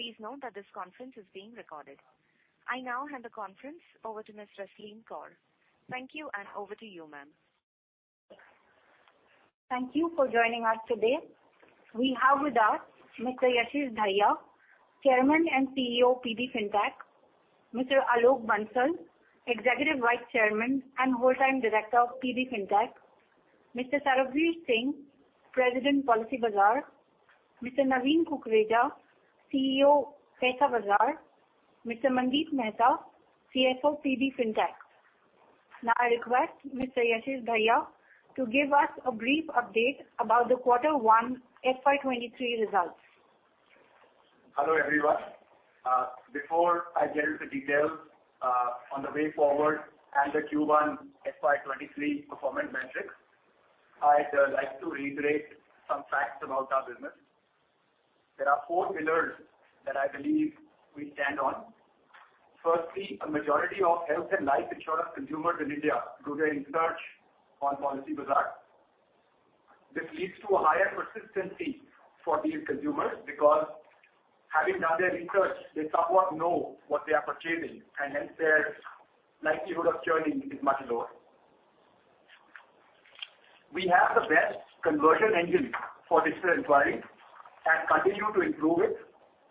Please note that this conference is being recorded. I now hand the conference over to Ms. Rasleen Kaur. Thank you, and over to you, ma'am. Thank you for joining us today. We have with us Mr. Yashish Dahiya, Chairman and CEO, PB Fintech. Mr. Alok Bansal, Executive Vice Chairman and Whole Time Director of PB Fintech. Mr. Sarbvir Singh, President, Policybazaar. Mr. Naveen Kukreja, CEO, Paisabazaar. Mr. Mandeep Mehta, CFO, PB Fintech. Now I request Mr. Yashish Dahiya to give us a brief update about the Q1 FY23 results. Hello, everyone. Before I get into the details on the way forward and the Q1 FY23 performance metrics, I'd like to reiterate some facts about our business. There are four pillars that I believe we stand on. Firstly, a majority of health and life insurance consumers in India do their research on Policybazaar. This leads to a higher persistency for these consumers because having done their research, they somewhat know what they are purchasing and hence their likelihood of churning is much lower. We have the best conversion engine for digital inquiry and continue to improve it,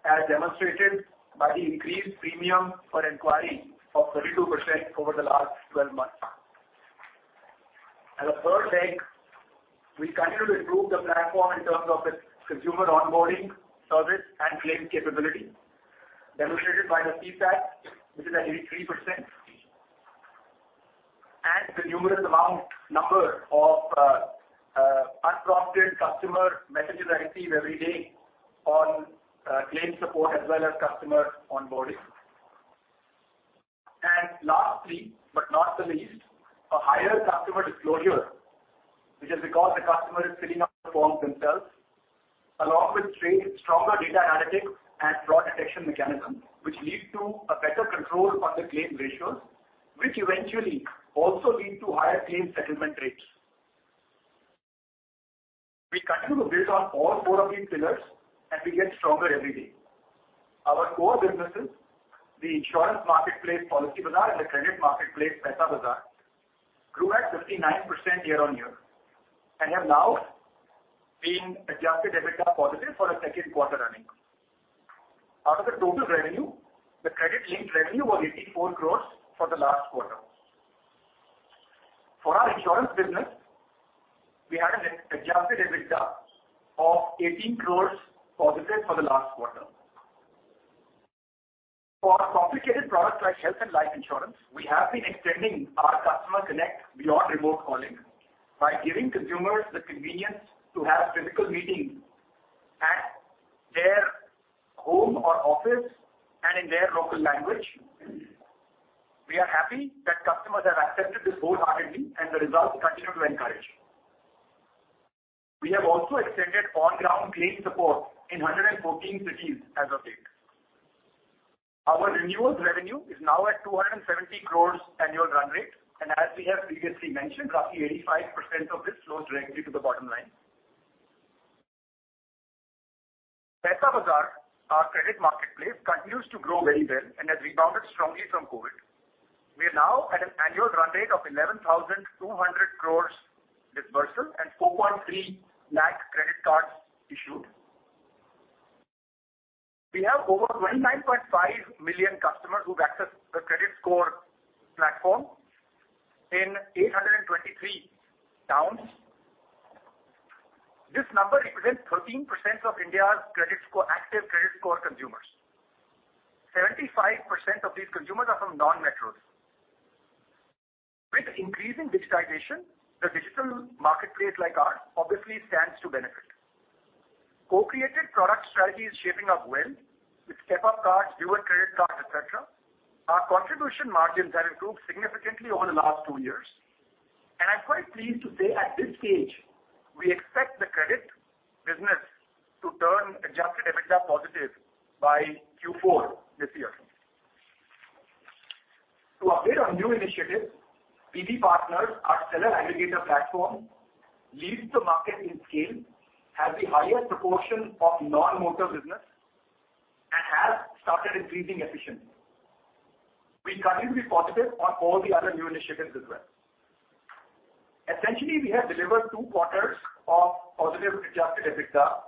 as demonstrated by the increased premium for inquiry of 32% over the last 12 months. As a third leg, we continue to improve the platform in terms of its consumer onboarding service and claim capability, demonstrated by the CSAT, which is at 83%, and the numerous number of unprompted customer messages I receive every day on claim support as well as customer onboarding. Lastly, but not the least, a higher customer disclosure, which is because the customer is filling out the forms themselves, along with straight stronger data analytics and fraud detection mechanism, which lead to a better control on the claim ratios, which eventually also lead to higher claim settlement rates. We continue to build on all four of these pillars, and we get stronger every day. Our core businesses, the insurance marketplace, Policybazaar, and the credit marketplace, Paisabazaar, grew at 59% year-on-year, and have now been adjusted EBITDA positive for the second quarter running. Out of the total revenue, the credit linked revenue was 84 crores for the last quarter. For our insurance business, we had an adjusted EBITDA of 18 crores positive for the last quarter. For our complicated products like health and life insurance, we have been extending our customer connect beyond remote calling by giving consumers the convenience to have physical meetings at their home or office and in their local language. We are happy that customers have accepted this wholeheartedly and the results continue to encourage. We have also extended on-ground claim support in 114 cities as of date. Our renewals revenue is now at 270 crores annual run rate, and as we have previously mentioned, roughly 85% of this flows directly to the bottom line. Paisabazaar, our credit marketplace, continues to grow very well and has rebounded strongly from COVID. We are now at an annual run rate of 11,200 crores disbursal and 4.3 lakh credit cards issued. We have over 29.5 million customers who've accessed the credit score platform in 823 towns. This number represents 13% of India's credit score active credit score consumers. 75% of these consumers are from non-metros. With increasing digitization, the digital marketplace like ours obviously stands to benefit. Co-created product strategy is shaping up well with Step-Up cards, newer credit cards, et cetera. Our contribution margins have improved significantly over the last two years. I'm quite pleased to say at this stage, we expect the credit business to turn adjusted EBITDA positive by Q4 this year. To update on new initiatives, PB Partners, our seller aggregator platform, leads the market in scale, has the highest proportion of non-motor business, and has started increasing efficiently. We continue to be positive on all the other new initiatives as well. Essentially, we have delivered two quarters of positive adjusted EBITDA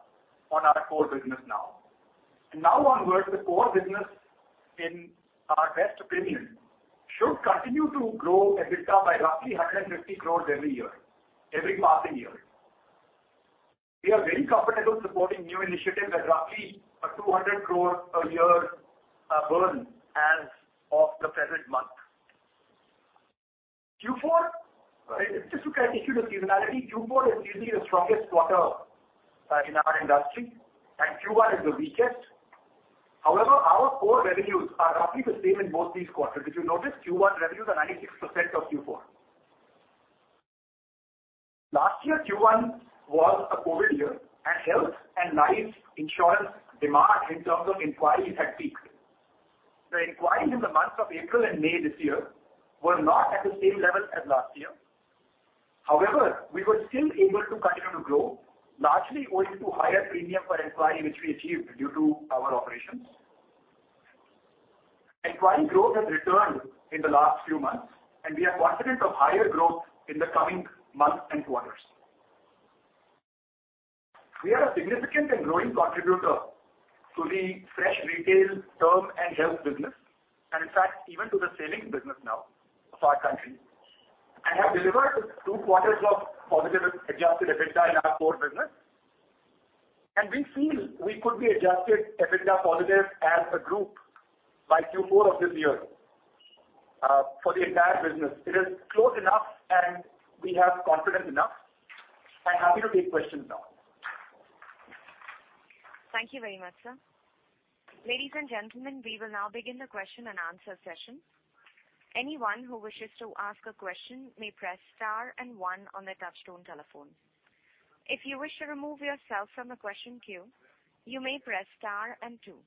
on our core business now. Now onwards, the core business in our best opinion, should continue to grow EBITDA by roughly 150 crore every year, every passing year. We are very comfortable supporting new initiatives at roughly 200 crore a year, burn as of the present month. Q4, just to kind of issue the seasonality, Q4 is usually the strongest quarter, in our industry, and Q1 is the weakest. However, our core revenues are roughly the same in both these quarters. If you notice, Q1 revenues are 96% of Q4. Last year, Q1 was a COVID year and health and life insurance demand in terms of inquiries had peaked. Inquiries in the months of April and May this year were not at the same level as last year. However, we were still able to continue to grow, largely owing to higher premium per inquiry which we achieved due to our operations. Inquiry growth has returned in the last few months, and we are confident of higher growth in the coming months and quarters. We are a significant and growing contributor to the fresh retail term and health business, and in fact even to the savings business now of our country, and have delivered two quarters of positive adjusted EBITDA in our core business. We feel we could be adjusted EBITDA positive as a group by Q4 of this year, for the entire business. It is close enough and we have confidence enough. I'm happy to take questions now. Thank you very much, sir. Ladies and gentlemen, we will now begin the question-and-answer session. Anyone who wishes to ask a question may press star and one on their touchtone telephone. If you wish to remove yourself from the question queue, you may press star and two.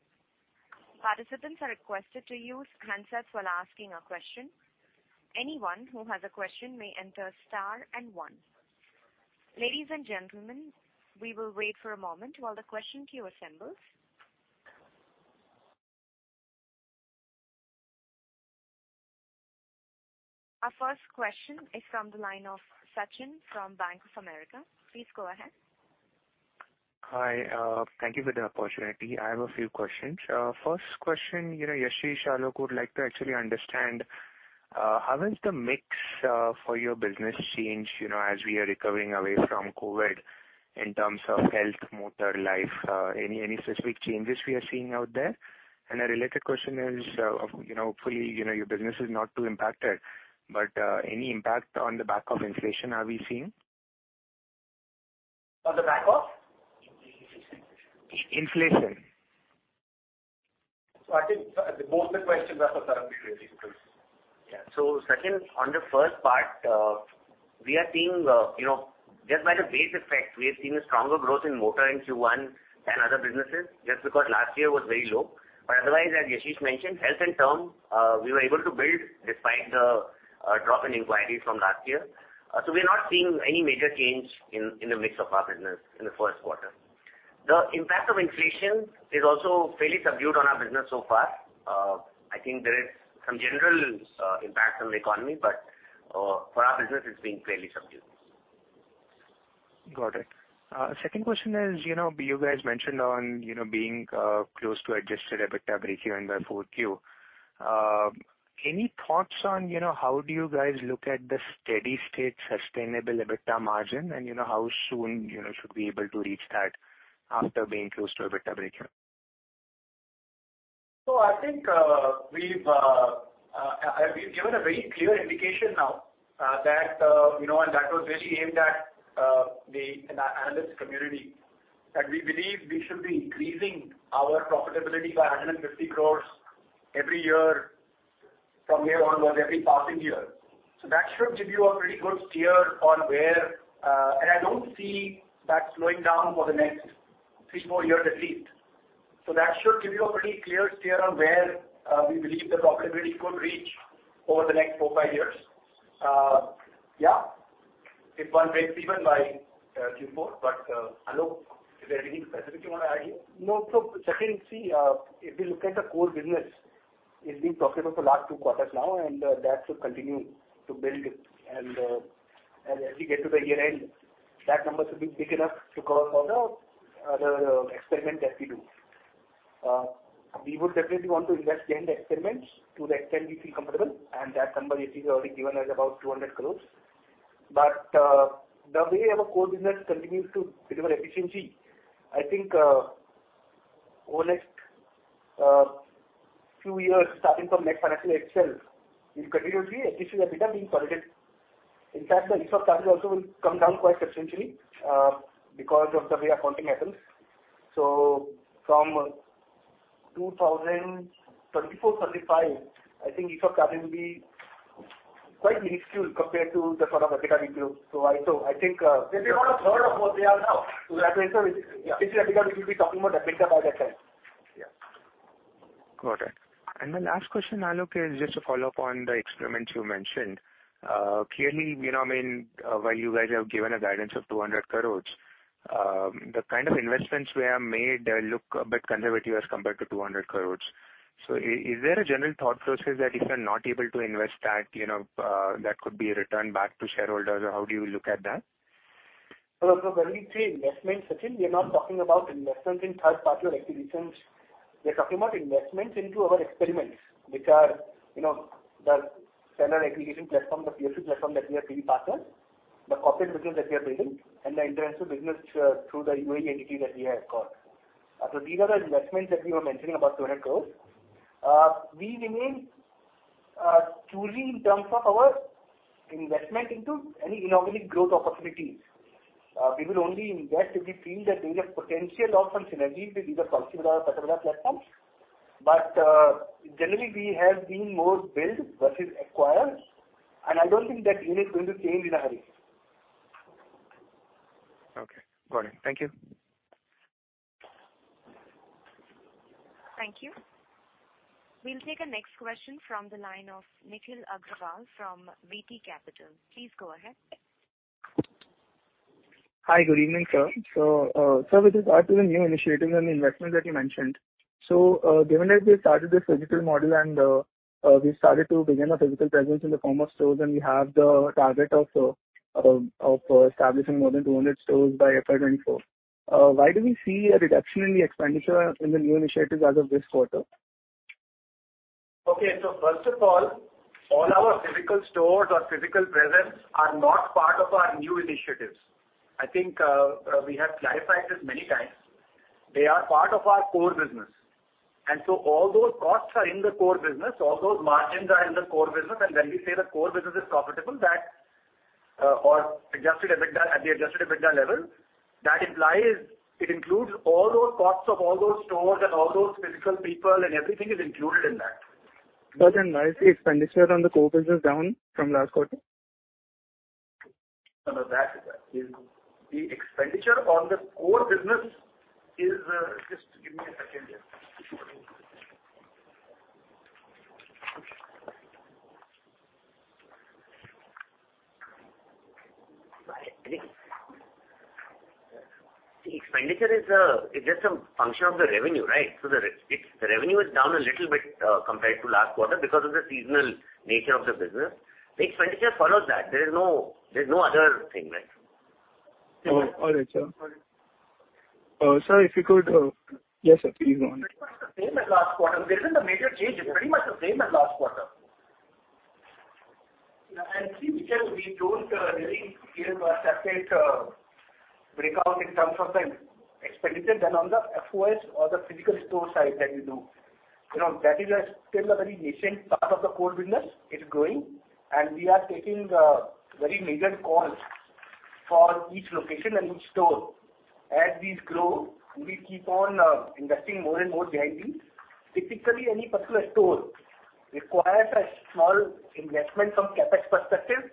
Participants are requested to use handsets while asking a question. Anyone who has a question may enter star and one. Ladies and gentlemen, we will wait for a moment while the question queue assembles. Our first question is from the line of Sachin from Bank of America. Please go ahead. Hi. Thank you for the opportunity. I have a few questions. First question, you know, Yashish, Alok would like to actually understand how has the mix for your business changed, you know, as we are recovering away from COVID in terms of health, motor, life? Any specific changes we are seeing out there? A related question is, you know, hopefully, you know, your business is not too impacted, but any impact on the back of inflation are we seeing? On the back of? Inflation. I think both the questions are for Tarun. Yeah. Sachin, on the first part, we are seeing you know, just by the base effect, we have seen a stronger growth in motor in Q1 than other businesses just because last year was very low. Otherwise, as Yashish mentioned, health and term we were able to build despite the drop in inquiries from last year. We are not seeing any major change in the mix of our business in the first quarter. The impact of inflation is also fairly subdued on our business so far. I think there is some general impact on the economy, but for our business it's been fairly subdued. Got it. Second question is, you know, you guys mentioned on, you know, being close to adjusted EBITDA breakeven by 4Q. Any thoughts on, you know, how do you guys look at the steady-state sustainable EBITDA margin? You know, how soon, you know, should we be able to reach that after being close to EBITDA breakeven? I think, we've given a very clear indication now, that, you know, and that was really aimed at, the analyst community, that we believe we should be increasing our profitability by 150 crores every year from here onwards, every passing year. That should give you a pretty good steer on where, and I don't see that slowing down for the next three more years at least. That should give you a pretty clear steer on where, we believe the profitability could reach over the next four, five years. Yeah. If one makes even by Q4. Alok, is there anything specific you wanna add here? No. Sachin, see, if we look at the core business, it's been profitable for last two quarters now and, that should continue to build. As we get to the year-end, that number should be big enough to cover for the experiment that we do. We would definitely want to invest in the experiments to the extent we feel comfortable, and that number Yashish has already given is about 200 crore. The way our core business continues to deliver efficiency, I think, over next few years starting from next financial itself, we'll continuously see EBITDA being positive. In fact, the ESOP cost also will come down quite substantially, because of the way accounting happens. From 2034, 2035, I think ESOP cost will be quite minuscule compared to the sort of EBITDA we do. I think they'll be about a third of what they are now. That means that yeah. Basically we'll be talking about EBITDA by that time. Yeah. Got it. My last question, Alok, is just to follow up on the experiments you mentioned. Clearly, you know, I mean, while you guys have given a guidance of 200 crore, the kind of investments were made look a bit conservative as compared to 200 crore. Is there a general thought process that if you're not able to invest that, you know, that could be returned back to shareholders or how do you look at that? When we say investments, Sachin, we are not talking about investments in third-party or acquisitions. We're talking about investments into our experiments, which are, you know, the seller aggregation platform, the POSP platform that we are building partners, the corporate business that we are building and the international business through the UAE entity that we have got. These are the investments that we were mentioning about 200 crore. We remain choosy in terms of our investment into any inorganic growth opportunities. We will only invest if we feel that there is a potential of some synergies with either Policybazaar or Paisabazaar platform. Generally we have been more build versus acquire, and I don't think that stance is going to change in a hurry. Okay. Got it. Thank you. Thank you. We'll take our next question from the line of Nikhil Agarwal from VT Capital. Please go ahead. Hi. Good evening, sir. Sir, with regard to the new initiatives and investments that you mentioned. Given that we started this physical model and we started to begin our physical presence in the form of stores, and we have the target of establishing more than 200 stores by FY24, why do we see a reduction in the expenditure in the new initiatives as of this quarter? Okay. First of all our physical stores or physical presence are not part of our new initiatives. I think, we have clarified this many times. They are part of our core business, and so all those costs are in the core business, all those margins are in the core business. When we say the core business is profitable, that, or adjusted EBITDA, at the adjusted EBITDA level, that implies it includes all those costs of all those stores and all those physical people and everything is included in that. Why is the expenditure on the core business down from last quarter? No, no. The expenditure on the core business is. Just give me a second here. Expenditure is, it's just a function of the revenue, right? It's the revenue is down a little bit, compared to last quarter because of the seasonal nature of the business. The expenditure follows that. There's no other thing, right? Oh. All right, sir. Sir, if you could. Yes, sir. Please go on. It's pretty much the same as last quarter. There isn't a major change. It's pretty much the same as last quarter. See, Nikhil, we don't really give a separate breakout in terms of the expenditures on the FoS or the physical store side that you do. You know, that is still a very nascent part of the core business. It's growing, and we are taking very measured calls for each location and each store. As these grow, we keep on investing more and more behind these. Typically, any particular store requires a small investment from CapEx perspective,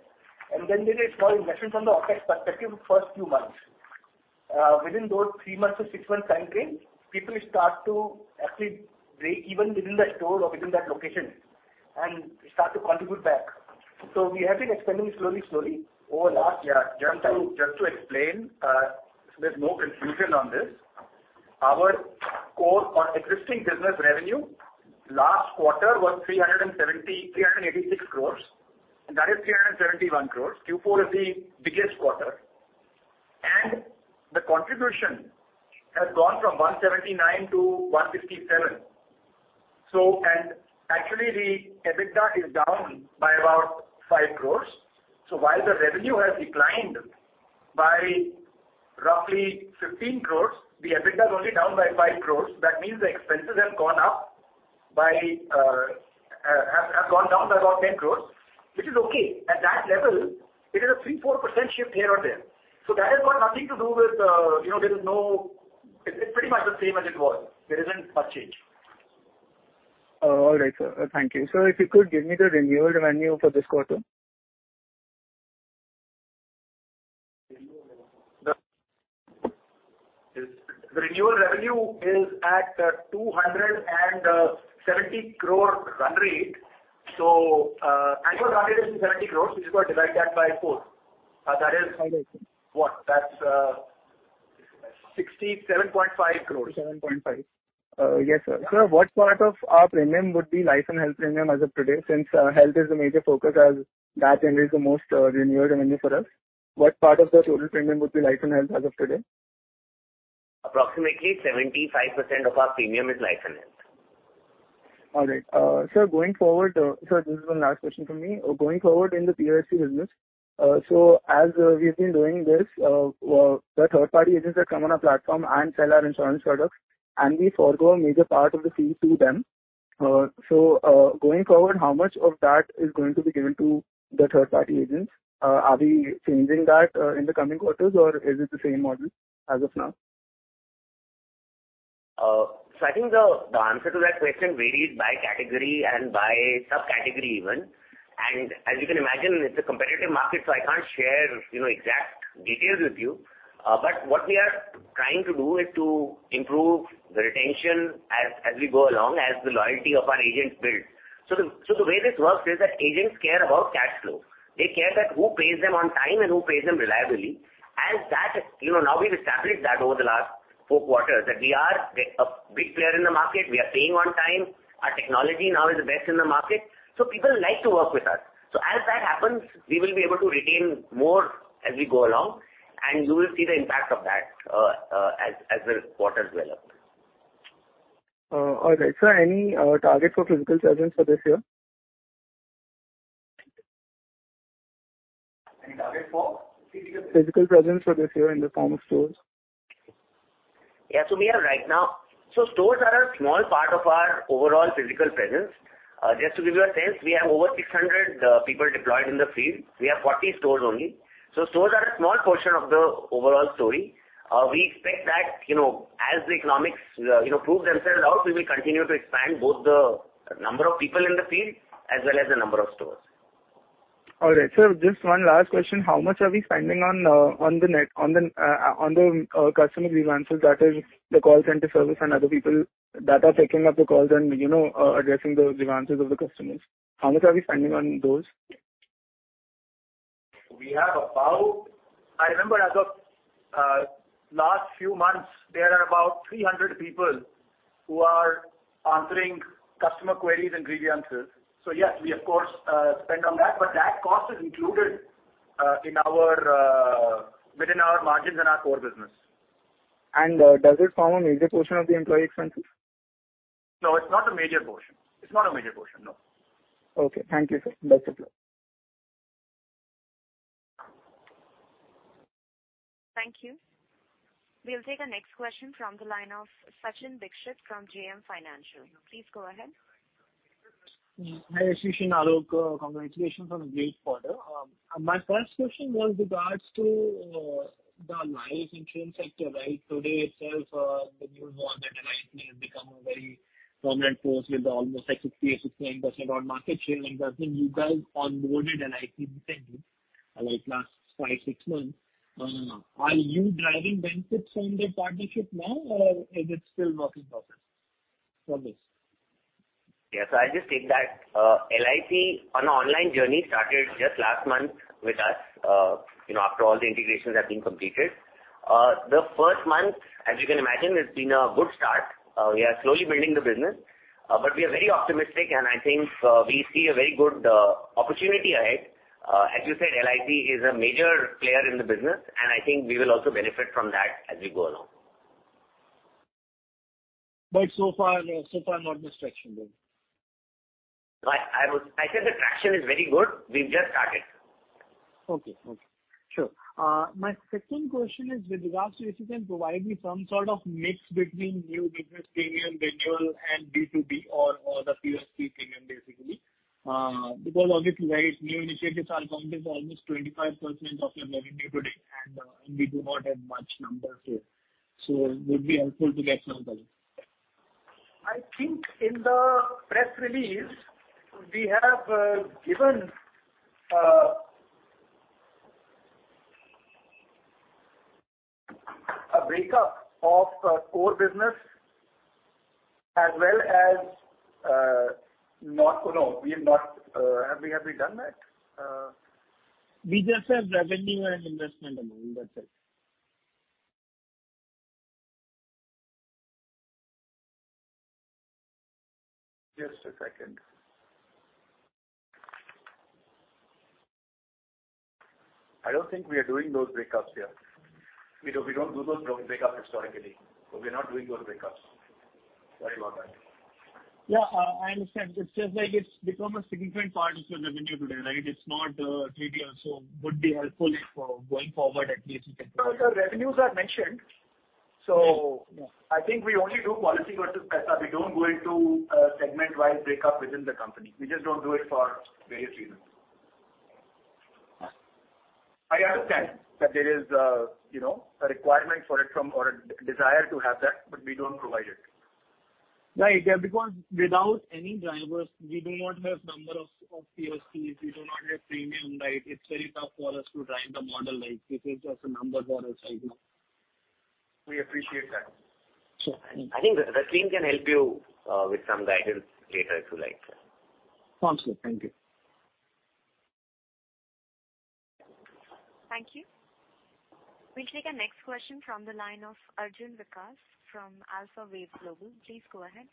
and then there's a small investment from the OpEx perspective first few months. Within those three months to six months time frame, people start to actually break even within that store or within that location and start to contribute back. We have been expanding slowly over last year. Yeah. Just to explain, there's no confusion on this. Our core or existing business revenue last quarter was 386 crores. That is 371 crores. Q4 is the biggest quarter. The contribution has gone from 179 crores to 157 crores. Actually the EBITDA is down by about 5 crores. While the revenue has declined by roughly 15 crores, the EBITDA is only down by 5 crores. That means the expenses have gone down by about 10 crores, which is okay. At that level, it is a 3%-4% shift here or there. That has got nothing to do with. It's pretty much the same as it was. There isn't much change. All right, sir. Thank you. Sir, if you could give me the renewal revenue for this quarter. Renewal revenue. The renewal revenue is at 270 crore run rate. Annual run rate is 70 crores. You just gotta divide that by four. That is. All right. What? That's 67.5 crores. 7.5. Yes, sir. Sir, what part of our premium would be life and health premium as of today, since health is the major focus as that generates the most renewal revenue for us. What part of the total premium would be life and health as of today? Approximately 75% of our premium is life and health. All right. Sir, going forward, sir, this is the last question from me. Going forward in the POSP business, so as we've been doing this, the third-party agents that come on our platform and sell our insurance products, and we forgo a major part of the fee to them. Going forward, how much of that is going to be given to the third-party agents? Are we changing that in the coming quarters, or is it the same model as of now? I think the answer to that question varies by category and by subcategory even. As you can imagine, it's a competitive market, so I can't share, you know, exact details with you. What we are trying to do is to improve the retention as we go along, as the loyalty of our agents build. The way this works is that agents care about cash flow. They care that who pays them on time and who pays them reliably. That is, you know, now we've established that over the last four quarters, that we are a big player in the market. We are paying on time. Our technology now is the best in the market. People like to work with us. As that happens, we will be able to retain more as we go along, and you will see the impact of that, as the quarters develop. All right. Sir, any target for physical presence for this year? Any target for? Physical presence for this year in the form of stores. Stores are a small part of our overall physical presence. Just to give you a sense, we have over 600 people deployed in the field. We have 40 stores only. Stores are a small portion of the overall story. We expect that, you know, as the economics, you know, prove themselves out, we will continue to expand both the number of people in the field as well as the number of stores. All right. Just one last question. How much are we spending on the customer grievances that is the call center service and other people that are taking up the calls and, you know, addressing the grievances of the customers. How much are we spending on those? I remember as of last few months, there are about 300 people who are answering customer queries and grievances. Yes, we of course spend on that, but that cost is included within our margins in our core business. Does it form a major portion of the employee expenses? No, it's not a major portion, no. Okay. Thank you, sir. Best of luck. Thank you. We'll take our next question from the line of Sachin Dixit from JM Financial. Please go ahead. Hi, Yashish and Alok. Congratulations on a great quarter. My first question was regards to the life insurance sector, right? Today itself, the news is that LIC has become a very prominent force with almost like 60 or 69% of market share. As in you guys onboarded LIC recently, like last five, six months. Are you driving benefits from the partnership now or is it still work in process? For this. Yes. I'll just take that. LIC's online journey started just last month with us, you know, after all the integrations have been completed. The first month, as you can imagine, it's been a good start. We are slowly building the business, but we are very optimistic, and I think, we see a very good, opportunity ahead. As you said, LIC is a major player in the business, and I think we will also benefit from that as we go along. So far not much traction then. I would say the traction is very good. We've just started. Okay. Sure. My second question is with regards to if you can provide me some sort of mix between new business premium renewal and B2B or the POSP premium, basically. Because obviously these new initiatives are accounting for almost 25% of your revenue today and we do not have much numbers here, so it would be helpful to get some value. I think in the press release, we have given a breakup of our core business as well as. No, no. We have not. Have we done that? We just have revenue and investment amount. That's it. Just a second. I don't think we are doing those breakups here. We don't do those breakups historically. We're not doing those breakups. Sorry about that. Yeah, I understand. It's just like it's become a significant part of your revenue today, right? It's not trivial, so would be helpful if, going forward, at least you can- No, the revenues are mentioned. I think we only do policy versus cash. We don't go into segment-wide breakup within the company. We just don't do it for various reasons. Yeah. I understand that there is, you know, a requirement for it from or a desire to have that, but we don't provide it. Right. Yeah, because without any drivers, we do not have number of POSPs. We do not have premium, right? It's very tough for us to drive the model like this is just a number for us right now. We appreciate that. Sure. I think the team can help you with some guidance later if you like. Awesome. Thank you. Thank you. We'll take our next question from the line of Arjun Vikas from Alpha Wave Global. Please go ahead.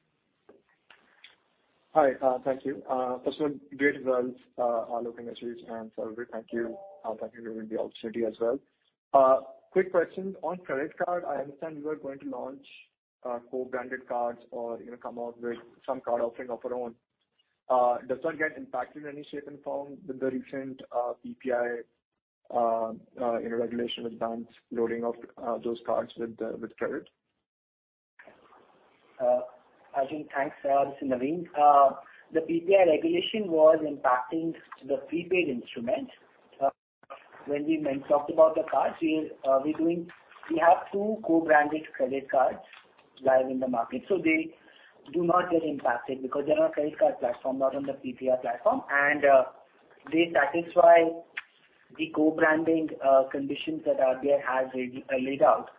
Hi. Thank you. First of all, great results, Alok and Yashish and Sarbvir, thank you. Thank you for giving me the opportunity as well. Quick question. On credit card, I understand you are going to launch co-branded cards or, you know, come out with some card offering of your own. Does that get impacted in any shape and form with the recent PPI you know regulation with banks loading up those cards with credit? Arjun, thanks. This is Naveen. The PPI regulation was impacting the prepaid instrument. When we talked about the cards, we have two co-branded credit cards live in the market, so they do not get impacted because they're on a credit card platform, not on the PPI platform. They satisfy the co-branding conditions that RBI has laid out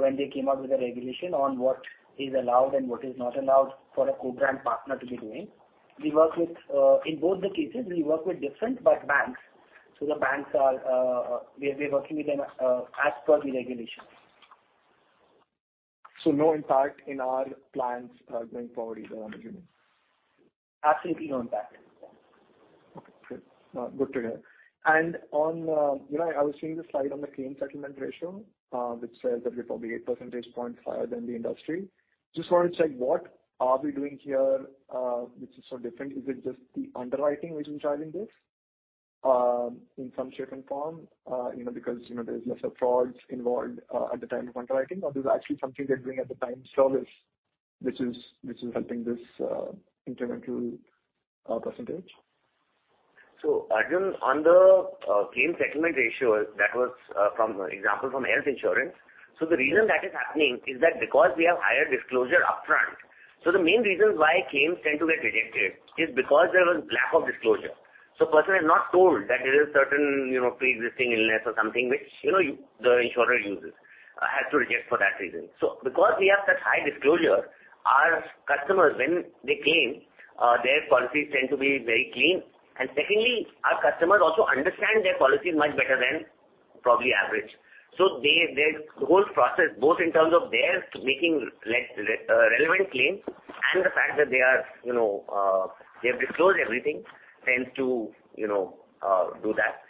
when they came out with the regulation on what is allowed and what is not allowed for a co-brand partner to be doing. In both cases, we work with different banks. We're working with them as per the regulations. No impact in our plans, going forward is what I'm assuming. Absolutely no impact. Yeah. Okay, good. Good to hear. On, you know, I was seeing the slide on the claim settlement ratio, which says that you're probably eight percentage points higher than the industry. Just wanted to check what are we doing here, which is so different. Is it just the underwriting which is driving this? In some shape and form, you know, because, you know, there's lesser frauds involved at the time of underwriting or there's actually something they're doing at the time of service which is helping this incremental percentage. Claim settlement ratio that was example from health insurance. The reason that is happening is that because we have higher disclosure upfront. The main reasons why claims tend to get rejected is because there was lack of disclosure. Person has not told that there is certain, you know, preexisting illness or something which, you know, the insurer uses has to reject for that reason. Because we have such high disclosure, our customers when they claim their policies tend to be very clean. Secondly, our customers also understand their policies much better than probably average. They, their whole process, both in terms of their making relevant claims and the fact that they are, you know, they have disclosed everything tends to, you know, do that.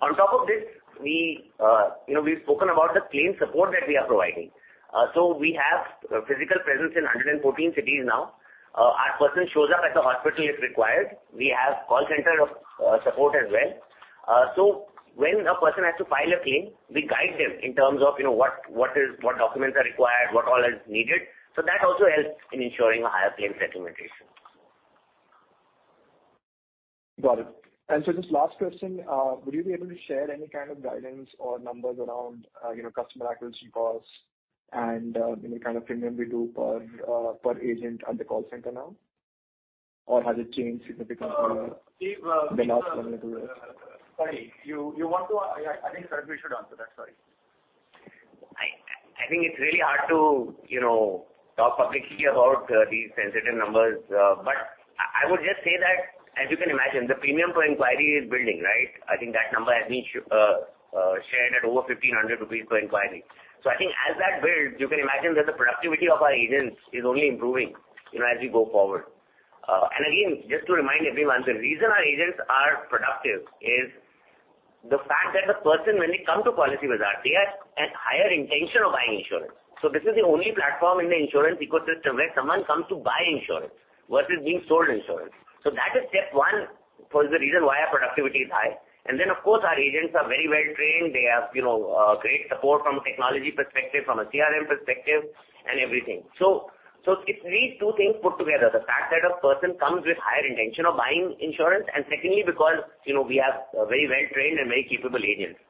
On top of this, we've spoken about the claim support that we are providing. We have physical presence in 114 cities now. Our person shows up at the hospital if required. We have call center of support as well. When a person has to file a claim, we guide them in terms of, you know, what documents are required, what all is needed. That also helps in ensuring a higher claim settlement ratio. Got it. Just last question, would you be able to share any kind of guidance or numbers around, you know, customer acquisition costs and, you know, kind of premium we do per agent at the call center now? Or has it changed significantly over the last one or two years? Sorry. I think Sarbvir should answer that. Sorry. I think it's really hard to, you know, talk publicly about these sensitive numbers. I would just say that as you can imagine, the premium per inquiry is building, right? I think that number has been shared at over 1,500 rupees per inquiry. I think as that builds, you can imagine that the productivity of our agents is only improving, you know, as we go forward. Again, just to remind everyone, the reason our agents are productive is the fact that the person when they come to Policybazaar, they have a higher intention of buying insurance. This is the only platform in the insurance ecosystem where someone comes to buy insurance versus being sold insurance. That is step one for the reason why our productivity is high. Of course, our agents are very well trained. They have, you know, great support from a technology perspective, from a CRM perspective and everything. So it's these two things put together. The fact that a person comes with higher intention of buying insurance, and secondly, because, you know, we have very well trained and very capable agents.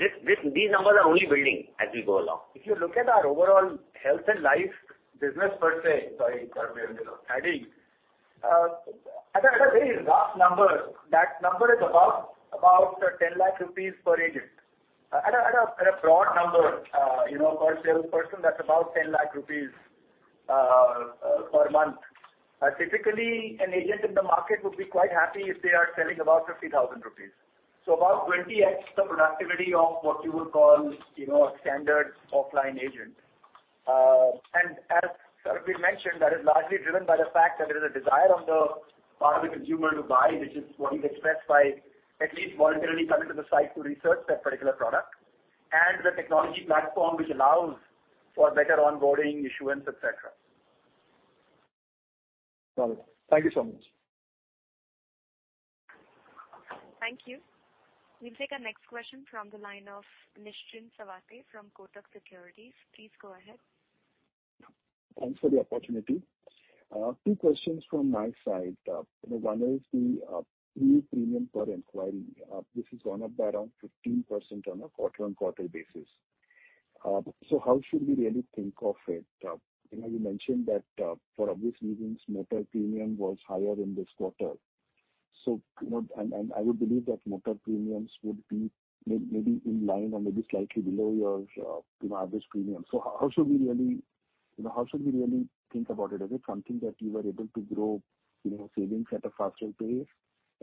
These numbers are only building as we go along. If you look at our overall health and life business per se. Sorry, Sarbvir, you know, adding. At a very rough number, that number is about 10 lakh rupees per agent. At a broad number, per salesperson, that's about 10 lakh rupees per month. Typically an agent in the market would be quite happy if they are selling about 50,000 rupees. About 20x the productivity of what you would call, you know, a standard offline agent. As Sarbvir mentioned, that is largely driven by the fact that there is a desire on the part of the consumer to buy, which is what is expressed by at least voluntarily coming to the site to research that particular product and the technology platform which allows for better onboarding issuance, et cetera. Got it. Thank you so much. Thank you. We'll take our next question from the line of Nischint Chawathe from Kotak Securities. Please go ahead. Thanks for the opportunity. Two questions from my side. One is the premium per inquiry. This is gone up by around 15% on a quarter-over-quarter basis. How should we really think of it? You know, you mentioned that, for obvious reasons, motor premium was higher in this quarter. You know, and I would believe that motor premiums would be maybe in line or maybe slightly below your, you know, average premium. How should we really, you know, how should we really think about it? Is it something that you were able to grow, you know, savings at a faster pace?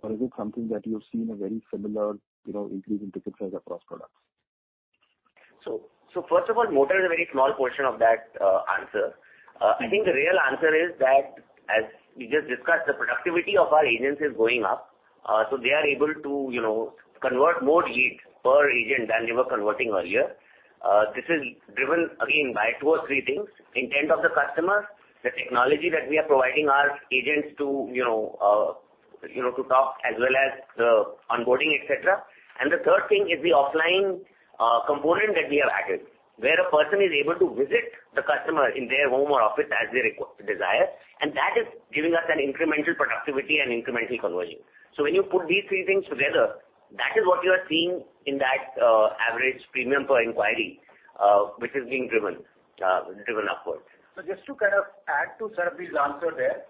Or is it something that you're seeing a very similar, you know, increase in ticket size across products? First of all, motor is a very small portion of that answer. I think the real answer is that as we just discussed, the productivity of our agents is going up. They are able to, you know, convert more leads per agent than they were converting earlier. This is driven again by two or three things. Intent of the customer, the technology that we are providing to our agents, you know, you know, to talk as well as the onboarding, et cetera. The third thing is the offline component that we have added, where a person is able to visit the customer in their home or office as they request or desire, and that is giving us an incremental productivity and incremental conversion. When you put these three things together, that is what you are seeing in that average premium per inquiry, which is being driven upward. Just to kind of add to Sarbvir's answer there,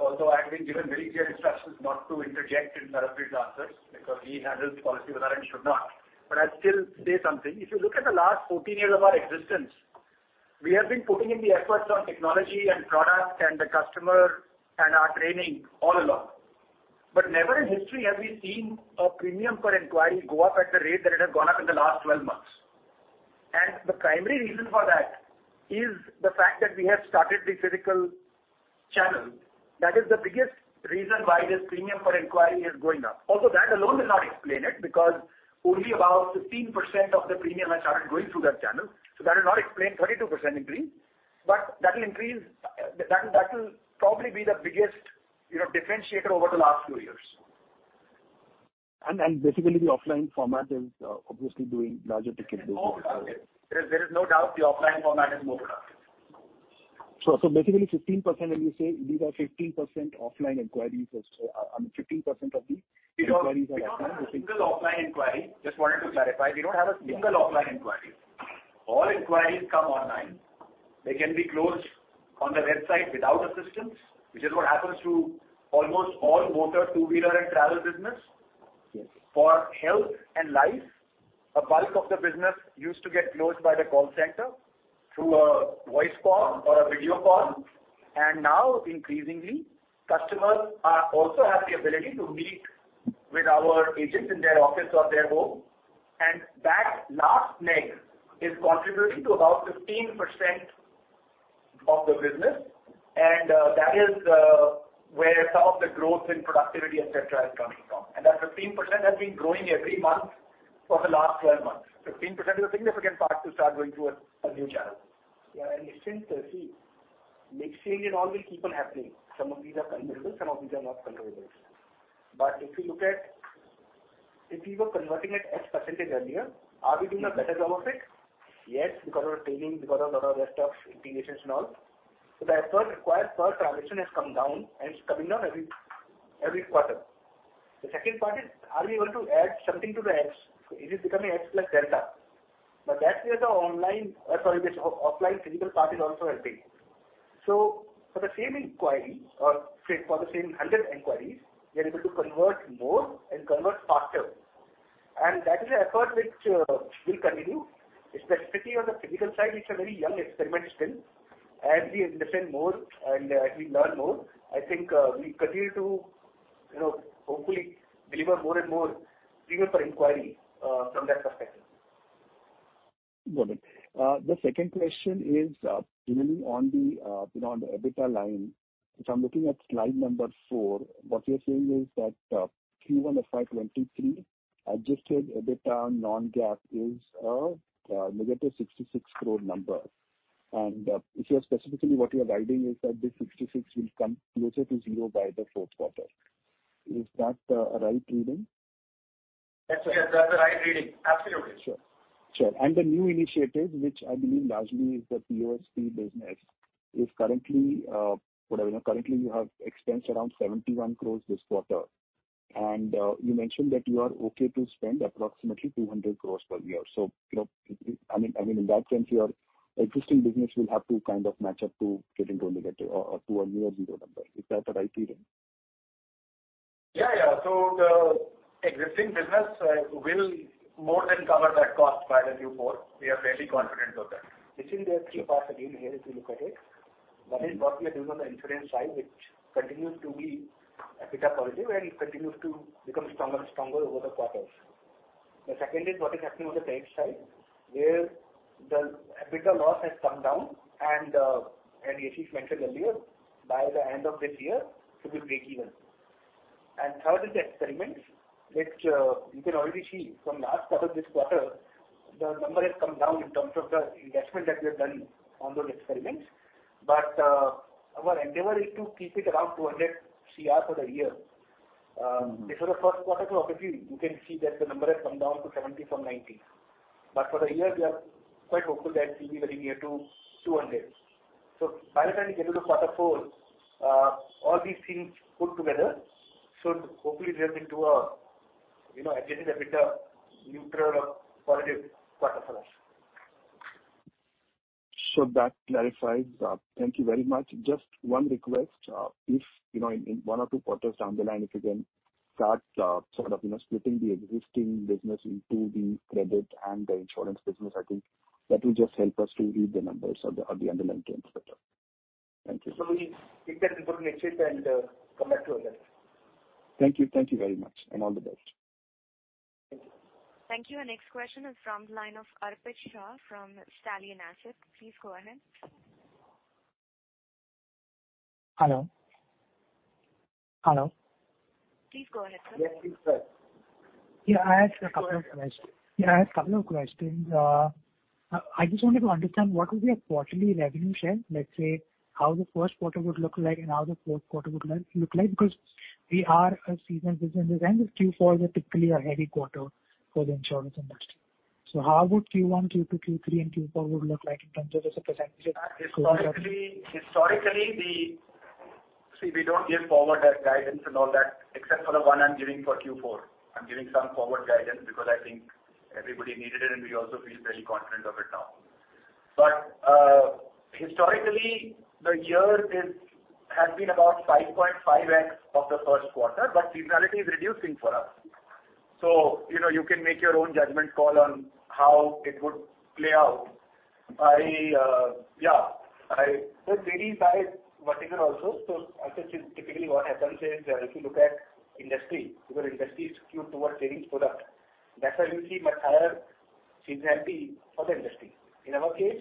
although I've been given very clear instructions not to interject in Sarbvir's answers because he handles Policybazaar and should not. I'll still say something. If you look at the last 14 years of our existence, we have been putting in the efforts on technology and product and the customer and our training all along. Never in history have we seen a premium per inquiry go up at the rate that it has gone up in the last 12 months. The primary reason for that is the fact that we have started the physical channel. That is the biggest reason why this premium per inquiry is going up. That alone will not explain it because only about 15% of the premium has started going through that channel. That will not explain 32% increase, but that will probably be the biggest, you know, differentiator over the last two years. Basically the offline format is obviously doing larger ticket. It is more productive. There is no doubt the offline format is more productive. Basically, 15% when you say these are 15% offline inquiries or so, I mean 15% of the inquiries are offline or. We don't have a single offline inquiry. Just wanted to clarify, we don't have a single offline inquiry. All inquiries come online. They can be closed on the website without assistance, which is what happens to almost all motor, two-wheeler and travel business. Yes. For health and life, a bulk of the business used to get closed by the call center through a voice call or a video call. Now increasingly, customers also have the ability to meet with our agents in their office or their home. That last leg is contributing to about 15% of the business. That is where some of the growth in productivity, et cetera, is coming from. That 15% has been growing every month for the last 12 months. 15% is a significant part to start going through a new channel. It's been see mix change and all will keep on happening. Some of these are controllable, some of these are not controllable. If you look at we were converting at X percentage earlier, are we doing a better job of it? Yes, because of our training, because of all our rest of integrations and all. The effort required per transaction has come down, and it's coming down every quarter. The second part is, are we able to add something to the X? Is it becoming X plus delta? Now that's where this offline physical part is also helping. For the same inquiry or say for the same 100 inquiries, we are able to convert more and convert faster. That is a effort which will continue. Specifically on the physical side, it's a very young experiment still. As we invest in more and as we learn more, I think we continue to, you know, hopefully deliver more and more premium per inquiry from that perspective. Got it. The second question is, generally on the, you know, on the EBITDA line, if I'm looking at slide number four, what you're saying is that, Q1 FY23 adjusted EBITDA non-GAAP is a negative 66 crore number. If you're specifically what you're guiding is that this 66 will come closer to zero by the fourth quarter. Is that the right reading? That's the right reading. Absolutely. Sure. The new initiatives, which I believe largely is the POSP business, is currently what I know currently you have expense around 71 crore this quarter. You mentioned that you are okay to spend approximately 200 crore per year. You know, I mean, in that sense, your existing business will have to kind of match up to getting to a negative or to a near zero number. Is that the right reading? Yeah, yeah. The existing business will more than cover that cost by FY24. We are fairly confident of that. This is the three parts again here, if you look at it. One is what we are doing on the insurance side, which continues to be EBITDA positive and it continues to become stronger and stronger over the quarters. The second is what is happening on the tech side, where the EBITDA loss has come down and Yashish mentioned earlier by the end of this year should be breakeven. Third is the experiments which you can already see from last quarter to this quarter the number has come down in terms of the investment that we have done on those experiments. Our endeavor is to keep it around 200 crore for the year. Mm-hmm. This was the first quarter. Obviously you can see that the number has come down to 70 from 90. For the year, we are quite hopeful that we'll be very near to 200. By the time we get to the quarter four, all these things put together should hopefully result into a, you know, adjusted EBITDA neutral or positive quarter for us. That clarifies that. Thank you very much. Just one request. If, you know, in one or two quarters down the line, if you can start, sort of, you know, splitting the existing business into the credit and the insurance business, I think that will just help us to read the numbers or the underlying trends better. Thank you. We take that input in Excel and come back to you with that. Thank you. Thank you very much and all the best. Thank you. Thank you. Our next question is from the line of Arpit Shah from Stallion Asset. Please go ahead. Hello? Hello? Please go ahead, sir. Yes, please go ahead. Yeah, I have a couple of questions. Go ahead. Yeah, I have a couple of questions. I just wanted to understand what will be a quarterly revenue share. Let's say how the first quarter would look like and how the fourth quarter would look like because we are a seasonal business and the Q4 is typically a heavy quarter for the insurance industry. How would Q1, Q2, Q3 and Q4 would look like in terms of as a percentage of. Historically, see, we don't give forward guidance and all that except for the one I'm giving for Q4. I'm giving some forward guidance because I think everybody needed it and we also feel very confident of it now. Historically, the year has been about 5.5x of the first quarter, but seasonality is reducing for us. You know, you can make your own judgment call on how it would play out. The JD side vertical also. I think typically what happens is if you look at industry, because industry is skewed towards savings product, that's why you see much higher seasonality for the industry. In our case,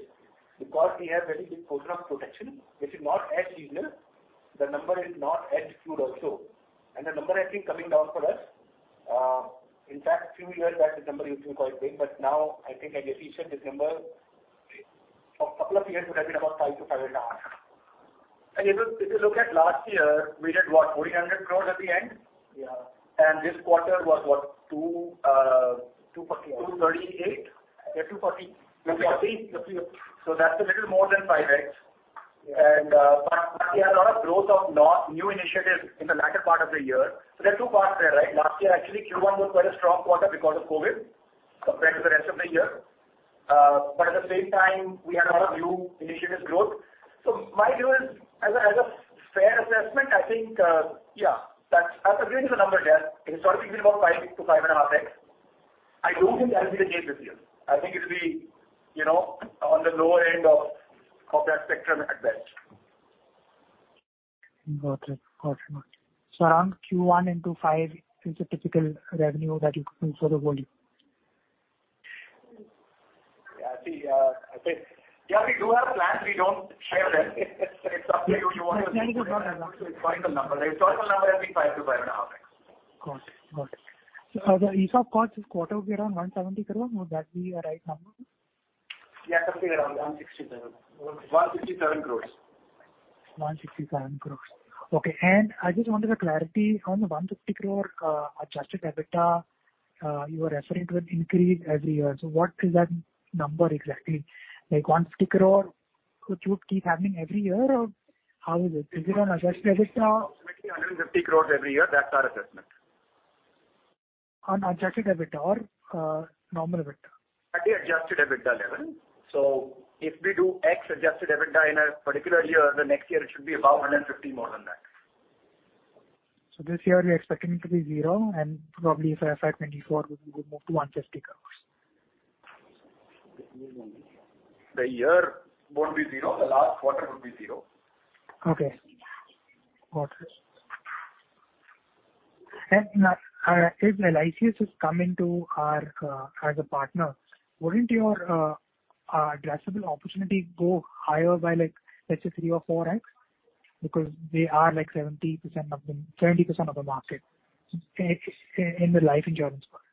because we have very big portion of protection which is not as seasonal, the number is not as skewed also. The number has been coming down for us. In fact few years back this number used to be quite big, but now I think as Yashish said this number for couple of years would have been about 5x-5.5x. If you look at last year, we did what? 400 crore at the end. Yeah. This quarter was what? Two. 2.40. 2.38. Yeah, 2.40. 2.40 2.40. That's a little more than 5x. Yeah. We had a lot of growth of new initiatives in the latter part of the year. There are two parts there, right? Last year, actually Q1 was quite a strong quarter because of COVID compared to the rest of the year. At the same time, we had a lot of new initiatives growth. My view is as a fair assessment, I think, yeah, that's a reasonable number there. It's sort of between about 5x-5.5x. I don't think that'll be the case this year. I think it'll be, you know, on the lower end of that spectrum at best. Around Q1 FY25 is a typical revenue that you can consider holding? Yeah. See, yeah, we do have plans. We don't share them. It's up to you want to. That's very good. No, no. It's historical number. The historical number has been 5x-5.5x. Got it. The ESOP cost this quarter will be around 170 crore. Would that be a right number? Yeah. Something around 167. 167 crore. 167 crore. Okay. I just wanted a clarity on the 150 crore, adjusted EBITDA, you were referring to an increase every year. What is that number exactly? Like 150 crore which would keep happening every year or how is it? Is it on adjusted EBITDA? Approximately 150 crores every year. That's our assessment. On adjusted EBITDA or normal EBITDA? At the adjusted EBITDA level. Mm-hmm. If we do X adjusted EBITDA in a particular year, the next year it should be above 150 more than that. This year you're expecting it to be zero and probably for FY 2024 we would move to 150 crores. The year won't be zero, the last quarter would be zero. Okay. Got it. If LIC has come into our as a partner, wouldn't your addressable opportunity go higher by like let's say 3x or 4x? Because they are like 70% of the market in the life insurance part.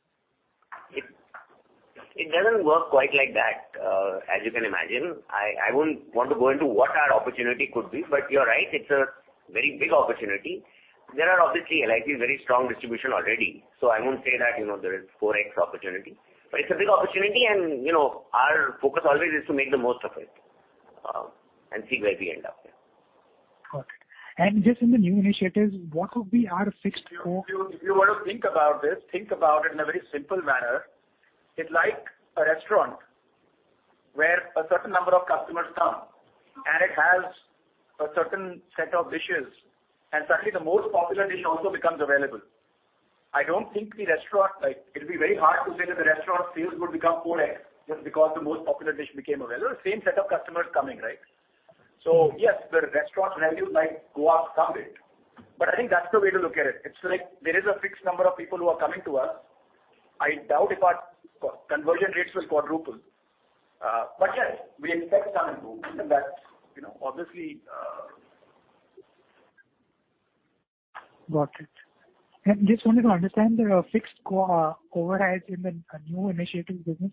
It doesn't work quite like that. As you can imagine, I wouldn't want to go into what our opportunity could be, but you're right, it's a very big opportunity. There are obviously LIC very strong distribution already, so I won't say that, you know, there is 4x opportunity. It's a big opportunity and, you know, our focus always is to make the most of it, and see where we end up here. Got it. Just in the new initiatives, what would be our fixed cost. If you were to think about this, think about it in a very simple manner. It's like a restaurant where a certain number of customers come, and it has a certain set of dishes, and suddenly the most popular dish also becomes available. I don't think the restaurant. It'll be very hard to say that the restaurant sales would become 4x just because the most popular dish became available. Same set of customers coming, right? Yes, the restaurant revenue might go up some bit, but I think that's the way to look at it. It's like there is a fixed number of people who are coming to us. I doubt if our conversion rates will quadruple. But yes, we expect some improvement in that, you know, obviously. Got it. Just wanted to understand the fixed cost overheads in the new initiatives business.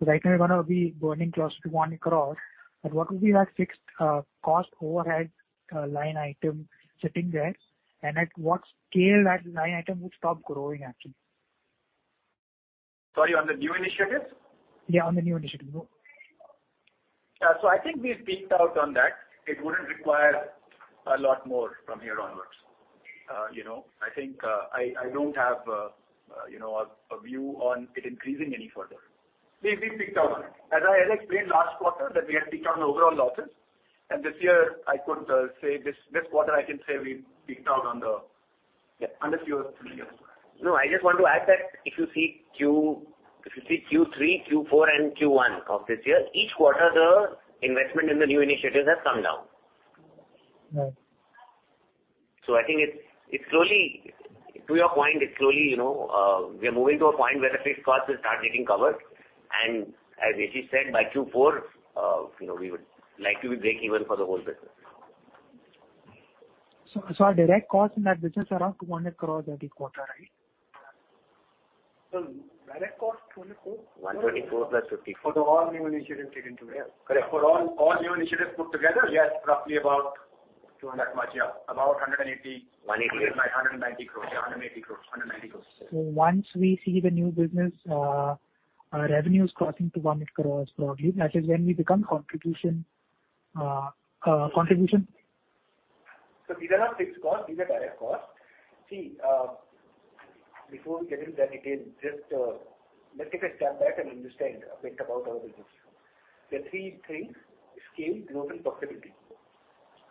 Right now you're gonna be burning close to 1 crore. What would be that fixed cost overhead line item sitting there? At what scale that line item would stop growing actually? Sorry, on the new initiatives? Yeah, on the new initiative. No. Yeah. I think we've peaked out on that. It wouldn't require a lot more from here onwards. You know, I think, I don't have, you know, a view on it increasing any further. We've peaked out on it. As I explained last quarter that we had peaked out on overall losses. This year I could say this quarter I can say we've peaked out on the. No, I just want to add that if you see Q3, Q4, and Q1 of this year, each quarter the investment in the new initiatives has come down. Right. I think, to your point, it's slowly, you know, we are moving to a point where the fixed costs will start getting covered. As Yashish said, by Q4, you know, we would like to be breakeven for the whole business. Our direct costs in that business are around 200 crore every quarter, right? Direct cost 24. 124 + 54. For the all new initiatives taken together. Correct. For all new initiatives put together, yes, roughly about 200 that much, yeah. About 180. 180. 190 crores. Yeah. 180 crores. 190 crores. Once we see the new business revenues crossing 100 crore broadly, that is when we become contribution? These are not fixed costs, these are direct costs. See, before we get into that detail, just, let's take a step back and understand a bit about our business. There are three things, scale, growth, and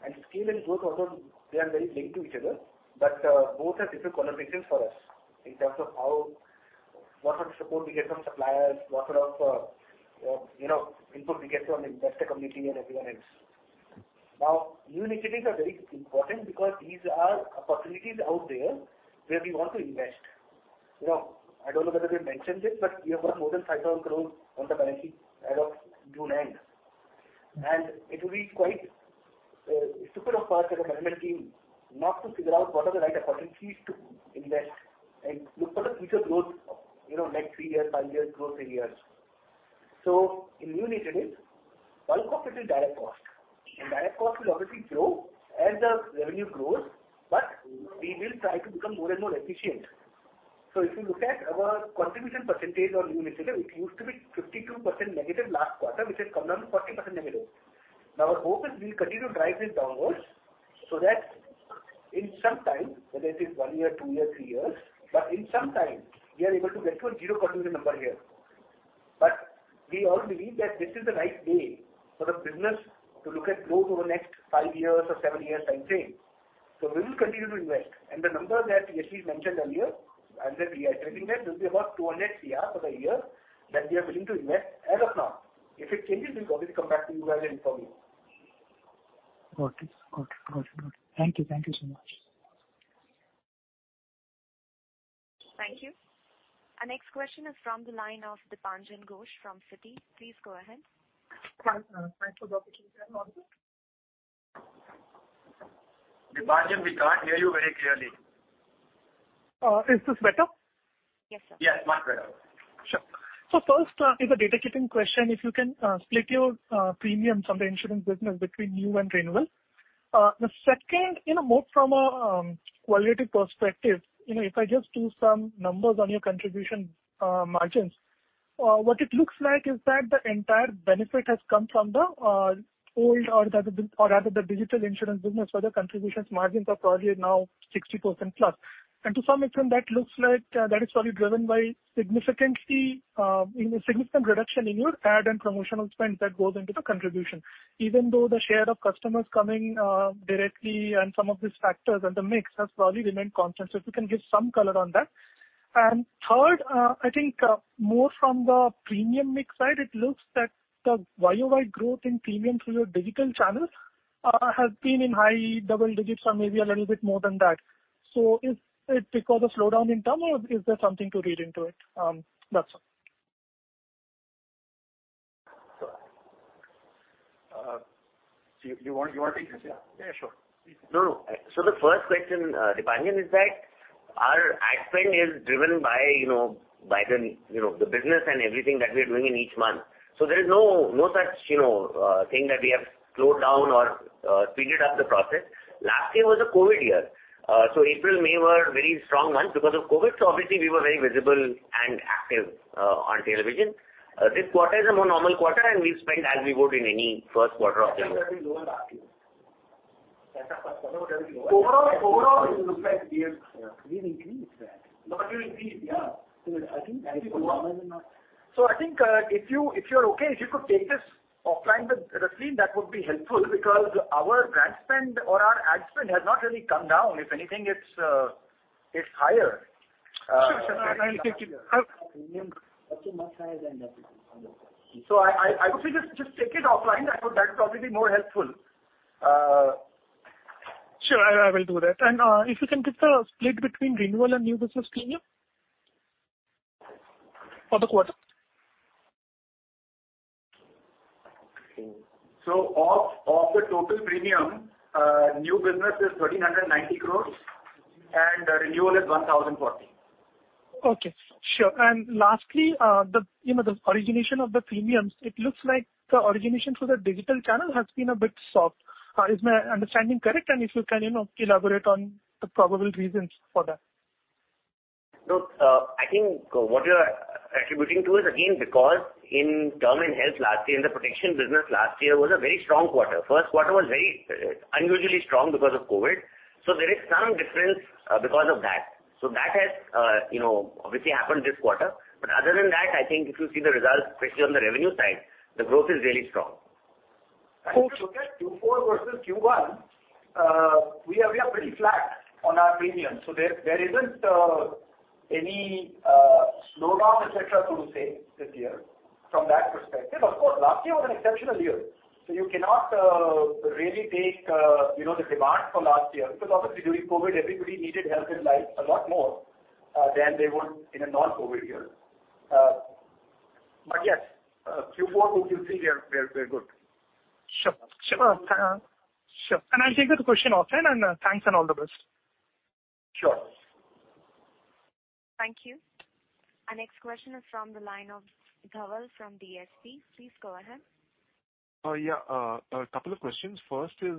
profitability. Scale and growth also they are very linked to each other, but, both are different qualifications for us in terms of how what sort of support we get from suppliers, what sort of, you know, input we get from investor community and everyone else. New initiatives are very important because these are opportunities out there where we want to invest. You know, I don't know whether we've mentioned it, but we have got more than 5,000 crore on the balance sheet as of June end. It will be quite stupid of us as a management team not to figure out what are the right opportunities to invest and look for the future growth, you know, next three years, five years growth areas. In new initiative, one cost is a direct cost. Direct cost will obviously grow as the revenue grows, but we will try to become more and more efficient. If you look at our contribution percentage on new initiative, it used to be 52% negative last quarter, which has come down to 14% negative. Now our hope is we continue to drive this downwards so that in some time, whether it is one year, two years, three years, but in some time we are able to get to a zero contribution number here. We all believe that this is the right way for the business to look at growth over the next five years or seven years time frame. We will continue to invest. The number that Yashish mentioned earlier and that we are reiterating will be about 200 crore for the year that we are willing to invest as of now. If it changes, we'll obviously come back to you guys and inform you. Got it. Thank you. Thank you so much. Thank you. Our next question is from the line of Dipanjan Ghosh from Citi. Please go ahead. Thanks for the opportunity. Am I audible? Dipanjan, we can't hear you very clearly. Is this better? Yes, sir. Yes, much better. Sure. First is a data keeping question. If you can split your premiums on the insurance business between new and renewal. The second, you know, more from a qualitative perspective, you know, if I just do some numbers on your contribution margins, what it looks like is that the entire benefit has come from the digital insurance business, where the contribution margins are probably now 60% plus. To some extent, that looks like that is probably driven by significant reduction in your ad and promotional spend that goes into the contribution. Even though the share of customers coming directly and some of these factors and the mix has probably remained constant. If you can give some color on that. Third, I think, more from the premium mix side, it looks that the YoY growth in premium through your digital channel, has been in high double digits or maybe a little bit more than that. Is it because of slowdown in term or is there something to read into it? That's all. Do you want to take this? Yeah, sure. Please. No, no. The first question, Dipanjan, is that our ad spend is driven by, you know, the business and everything that we are doing in each month. There is no such, you know, thing that we have slowed down or speeded up the process. Last year was a COVID year. April, May were very strong months because of COVID, so obviously we were very visible and active on television. This quarter is a more normal quarter, and we spent as we would in any first quarter of the year. Overall it looks like we have. We've increased that. No, you increased, yeah. I think. I think, if you, if you're okay, if you could take this offline with Rasleen, that would be helpful because our grant spend or our ad spend has not really come down. If anything, it's higher. Sure. I'll take it. I would say just take it offline. I thought that'd probably be more helpful. Sure, I will do that. If you can give the split between renewal and new business premium for the quarter. Of the total premium, new business is 1,390 crores and renewal is 1,040 crores. Okay, sure. Lastly, you know, the origination of the premiums, it looks like the origination through the digital channel has been a bit soft. Is my understanding correct? If you can, you know, elaborate on the probable reasons for that. Look, I think what you're attributing to is again, because in term and health last year and the protection business last year was a very strong quarter. First quarter was very unusually strong because of COVID. There is some difference, because of that. That has, you know, obviously happened this quarter. Other than that, I think if you see the results, especially on the revenue side, the growth is really strong. Cool. If you look at Q4 versus Q1, we are pretty flat on our premiums. There isn't any slowdown et cetera to say this year from that perspective. Of course, last year was an exceptional year, so you cannot really take you know the demand for last year because obviously during COVID, everybody needed health and life a lot more than they would in a non-COVID year. Yes, Q4, Q3, they're good. Sure. I'll take that question offline, and thanks and all the best. Sure. Thank you. Our next question is from the line of Dhaval from DSP. Please go ahead. Yeah. A couple of questions. First is,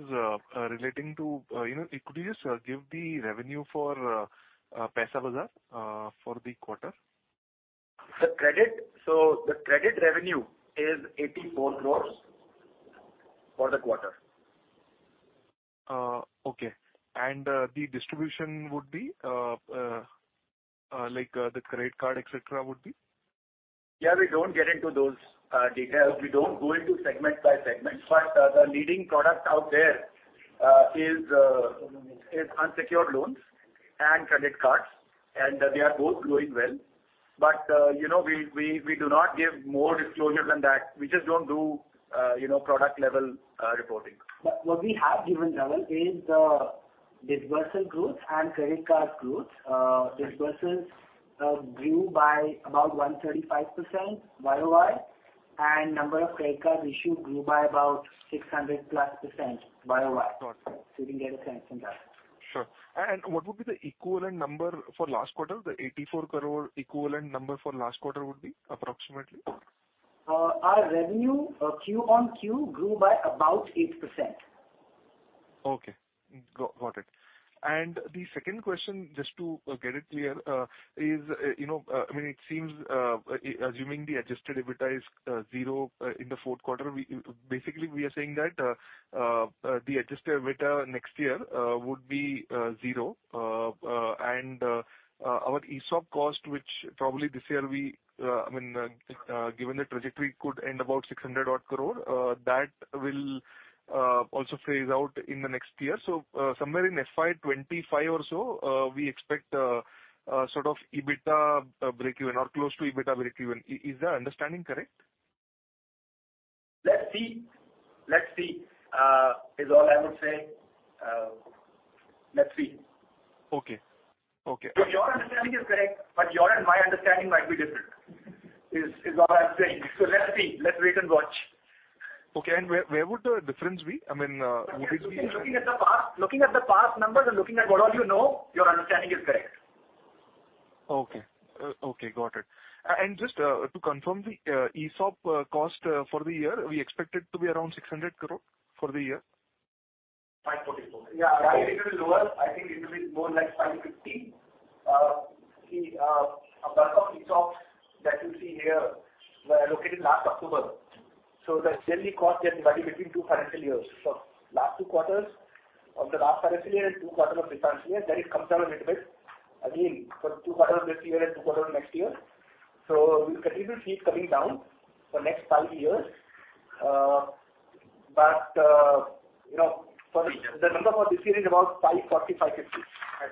relating to, you know, could you just, give the revenue for, Paisabazaar, for the quarter? The credit revenue is 84 crore for the quarter. Okay. The distribution would be, like, the credit card, et cetera, would be? Yeah, we don't get into those details. We don't go into segment by segment. The leading product out there is unsecured loans and credit cards, and they are both growing well. You know, we do not give more disclosure than that. We just don't do, you know, product level reporting. What we have given, Dhaval, is the disbursal growth and credit card growth. Disbursals grew by about 135% YoY, and number of credit cards issued grew by about 600%+ YoY. Got it. You can get a sense from that. Sure. What would be the equivalent number for last quarter? The 84 crore equivalent number for last quarter would be approximately? Our revenue Q-on-Q grew by about 8%. Got it. The second question, just to get it clear, is, you know, I mean, it seems assuming the adjusted EBITDA is zero in the fourth quarter. Basically, we are saying that the adjusted EBITDA next year would be zero. And our ESOP cost, which probably this year we, I mean, given the trajectory, could end about 600 odd crore, that will also phase out in the next year. Somewhere in FY25 or so, we expect a sort of EBITDA breakeven or close to EBITDA breakeven. Is that understanding correct? Let's see is all I would say. Let's see. Okay. Okay. Your understanding is correct, but your and my understanding might be different, is all I'm saying. Let's see. Let's wait and watch. Okay. Where would the difference be? I mean, would it be? Looking at the past numbers and looking at what all you know, your understanding is correct. Okay. Okay, got it. Just, to confirm the ESOP cost for the year, we expect it to be around 600 crore for the year? 544. Yeah. I think it is lower. I think it will be more like 550. A bulk of ESOPs that you see here were allocated last October. That generally cost gets divided between two financial years. Last two quarters of the last financial year and two quarters of this financial year, then it comes down a little bit. Again, for two quarters of this year and two quarters of next year. We'll continue to see it coming down for next five years. You know, for the number for this year is about 540, 550.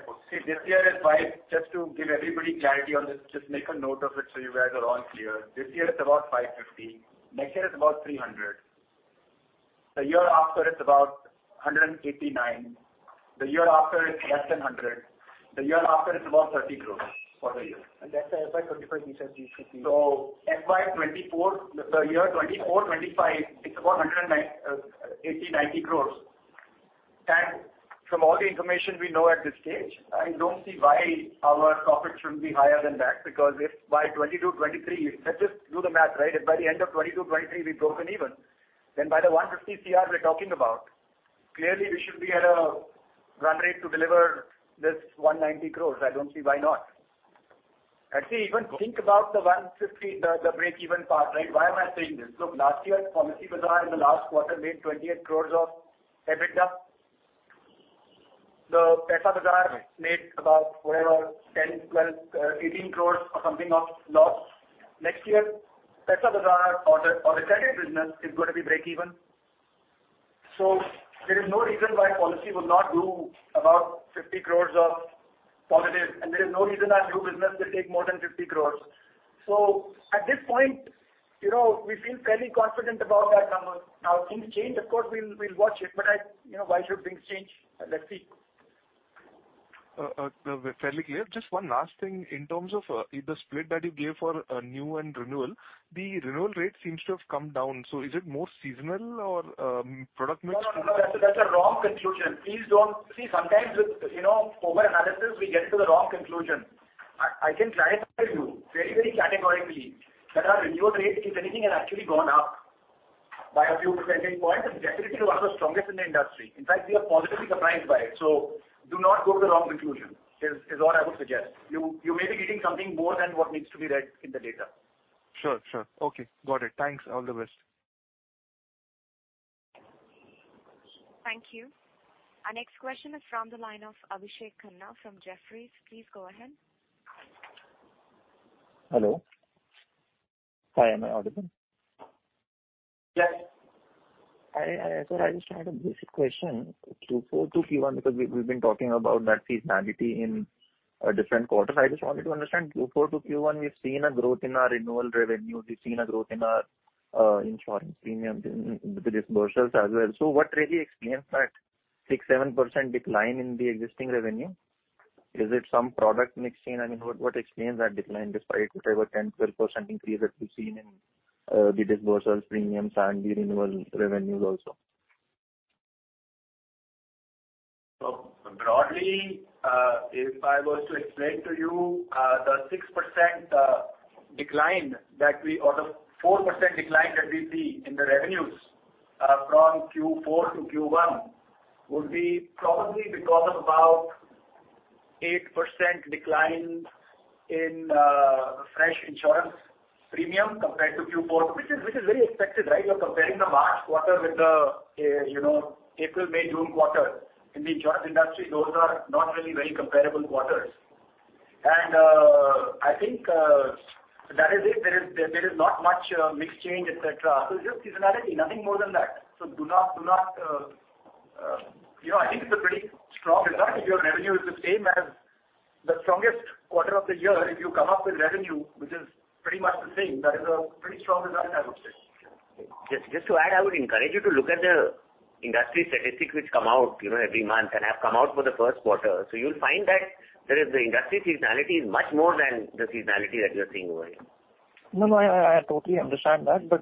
540. See, this year is five. Just to give everybody clarity on this, just make a note of it so you guys are all clear. This year it's about 550. Next year it's about 300. The year after, it's about 189 crore. The year after, it's less than 100 crore. The year after, it's about 30 crore for the year. That's the FY25 you said it should be. FY24, the year 2024-2025, it's about 80-90 crores. From all the information we know at this stage, I don't see why our profit shouldn't be higher than that, because if by 2022-2023, let's just do the math, right? If by the end of 2022-2023, we've broken even, then by the 150 crore we're talking about, clearly we should be at a run rate to deliver this 190 crore. I don't see why not. Actually even think about the 150, the break-even part, right? Why am I saying this? Look, last year, Policybazaar in the last quarter made 28 crore of EBITDA. The Paisabazaar made about whatever, 10, 12, 18 crore or something of loss. Next year, Paisabazaar or the credit business is going to be break even. There is no reason why Policybazaar will not do about 50 crore of positive, and there is no reason our new business will take more than 50 crore. At this point, you know, we feel fairly confident about that number. Now, things change, of course. We'll watch it. You know, why should things change? Let's see. We're fairly clear. Just one last thing. In terms of the split that you gave for new and renewal, the renewal rate seems to have come down. Is it more seasonal or product mix? No, no. That's a wrong conclusion. Please don't. See, sometimes with, you know, over analysis, we get to the wrong conclusion. I can confidently tell you very, very categorically that our renewal rate, if anything, has actually gone up by a few percentage points and definitely one of the strongest in the industry. In fact, we are positively surprised by it. Do not go to the wrong conclusion, is all I would suggest. You may be reading something more than what needs to be read in the data. Sure, sure. Okay. Got it. Thanks. All the best. Thank you. Our next question is from the line of Abhishek Khanna from Jefferies. Please go ahead. Hello. Hi, am I audible? Yes. I just had a basic question. Q4 to Q1, because we've been talking about that seasonality in different quarters. I just wanted to understand Q4 to Q1, we've seen a growth in our renewal revenue. We've seen a growth in our insurance premium disbursements as well. What really explains that 6%-7% decline in the existing revenue? Is it some product mix change? I mean, what explains that decline despite whatever 10%-12% increase that we've seen in the disbursed premiums and the renewal revenues also? Broadly, if I was to explain to you, the 6% decline or the 4% decline that we see in the revenues, from Q4 to Q1 would be probably because of about 8% decline in fresh insurance premium compared to Q4, which is very expected, right? You're comparing the March quarter with the, you know, April, May, June quarter. In the insurance industry, those are not really very comparable quarters. I think that is it. There is not much mix change, et cetera. Just seasonality, nothing more than that. Do not, you know, I think it's a pretty strong result. If your revenue is the same as the strongest quarter of the year, if you come up with revenue which is pretty much the same, that is a pretty strong result, I would say. Just to add, I would encourage you to look at the industry statistics which come out, you know, every month and have come out for the first quarter. You'll find that the industry seasonality is much more than the seasonality that you're seeing over here. No, no, I totally understand that, but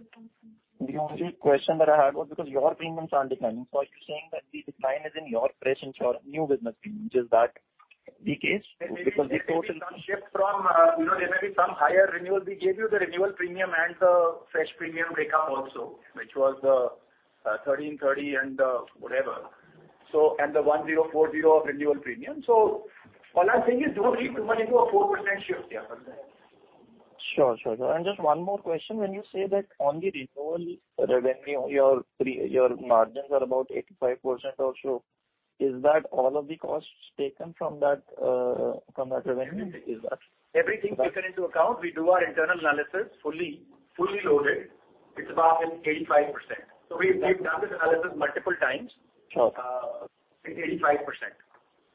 the only question that I had was because your premiums aren't declining. Are you saying that the decline is in your persistency or new business premium, is that the case? Because the total. There may be some shift from, you know, there may be some higher renewal. We gave you the renewal premium and the fresh premium break up also, which was, 1,330 and, whatever, so and the 1,040 of renewal premium. All I'm saying is don't read too much into a 4% shift here. Sure. Just one more question. When you say that on the renewal revenue, your margins are about 85% or so, is that all of the costs taken from that revenue? Is that? Everything taken into account. We do our internal analysis fully loaded. It's about 85%. We've done this analysis multiple times. Sure. It's 85%.